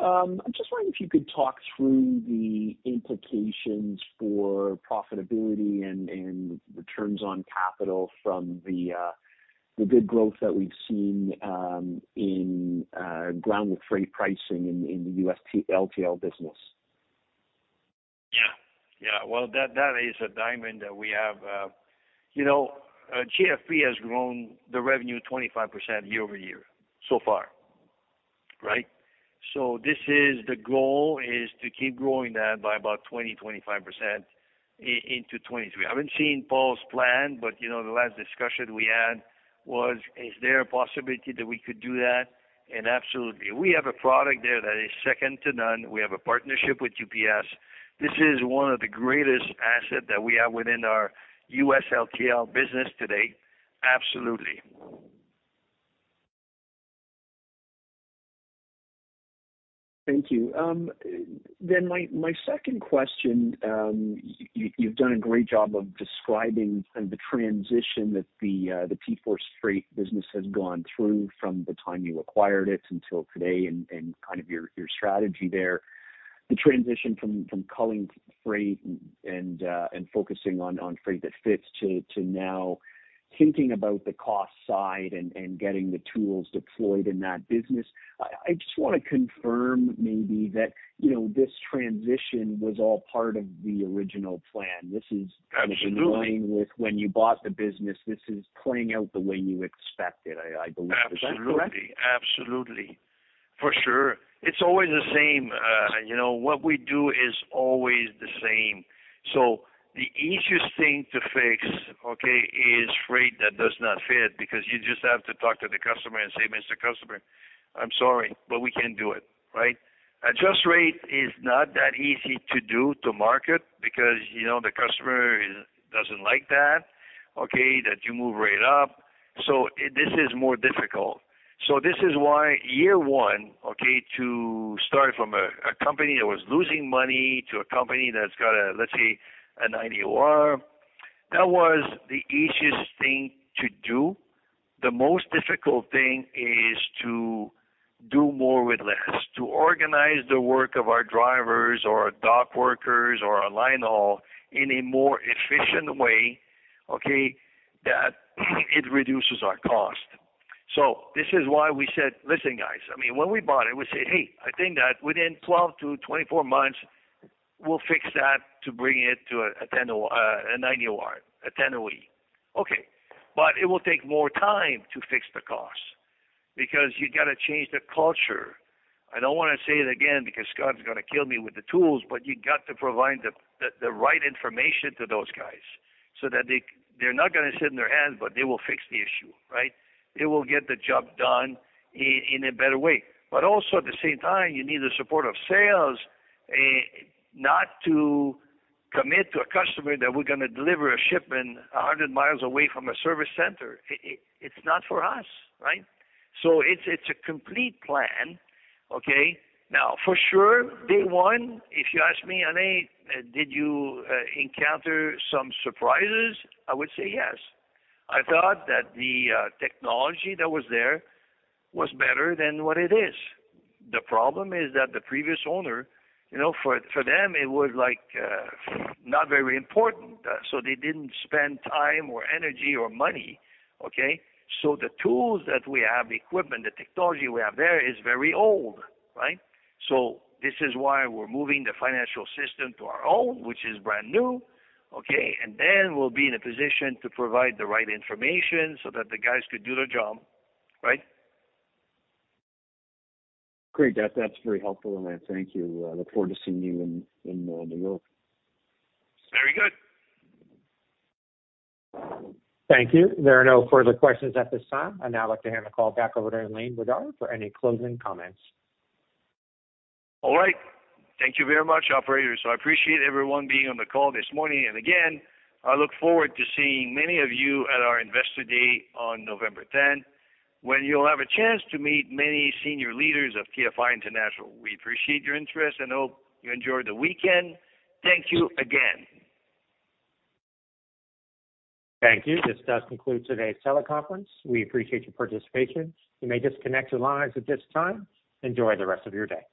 I'm just wondering if you could talk through the implications for profitability and returns on capital from the good growth that we've seen in around freight pricing in the US TL/LTL business? Yeah. Well, that is a diamond that we have. You know, GFE has grown the revenue 25% year-over-year so far, right? This is the goal, to keep growing that by about 20-25% into 2023. I haven't seen Paul's plan, but you know, the last discussion we had was, is there a possibility that we could do that? Absolutely. We have a product there that is second to none. We have a partnership with UPS. This is one of the greatest asset that we have within our U.S. LTL business today. Absolutely. Thank you. My second question, you've done a great job of describing the transition that the TForce Freight business has gone through from the time you acquired it until today and kind of your strategy there. The transition from culling freight and focusing on freight that fits to now thinking about the cost side and getting the tools deployed in that business. I just wanna confirm maybe that, you know, this transition was all part of the original plan. This is. Absolutely. In line with when you bought the business, this is playing out the way you expected, I believe. Is that correct? Absolutely. For sure. It's always the same. You know, what we do is always the same. The easiest thing to fix, okay, is freight that does not fit because you just have to talk to the customer and say, "Mr. Customer, I'm sorry, but we can't do it." Right? Adjust rate is not that easy to do to market because, you know, the customer doesn't like that, okay? That you move rate up. This is more difficult. This is why year one, okay, to start from a company that was losing money to a company that's got a, let's say, a 90 OR, that was the easiest thing to do. The most difficult thing is to do more with less, to organize the work of our drivers or dock workers or a line haul in a more efficient way, okay, that it reduces our cost. This is why we said, "Listen, guys." I mean, when we bought it, we said, "Hey, I think that within 12-24 months, we'll fix that to bring it to a ten OR, a ninety OR, a ten OR." Okay. It will take more time to fix the cost because you gotta change the culture. I don't wanna say it again because Scott's gonna kill me with the tools, but you got to provide the right information to those guys so that they're not gonna sit on their hands, but they will fix the issue, right? They will get the job done in a better way. Also at the same time, you need the support of sales, not to commit to a customer that we're gonna deliver a shipment 100 miles away from a service center. It's not for us, right? It's a complete plan, okay? Now, for sure, day one, if you ask me, "Alain, did you encounter some surprises?" I would say yes. I thought that the technology that was there was better than what it is. The problem is that the previous owner, you know, for them, it was like not very important, so they didn't spend time or energy or money, okay? The tools that we have, the equipment, the technology we have there is very old, right? This is why we're moving the financial system to our own, which is brand new, okay? We'll be in a position to provide the right information so that the guys could do their job, right? Great. That's very helpful, Alain. Thank you. I look forward to seeing you in New York. Very good. Thank you. There are no further questions at this time. I'd now like to hand the call back over to Alain Bédard for any closing comments. All right. Thank you very much, operator. I appreciate everyone being on the call this morning. Again, I look forward to seeing many of you at our Investor Day on November 10, when you'll have a chance to meet many senior leaders of TFI International. We appreciate your interest and hope you enjoy the weekend. Thank you again. Thank you. This does conclude today's teleconference. We appreciate your participation. You may disconnect your lines at this time. Enjoy the rest of your day.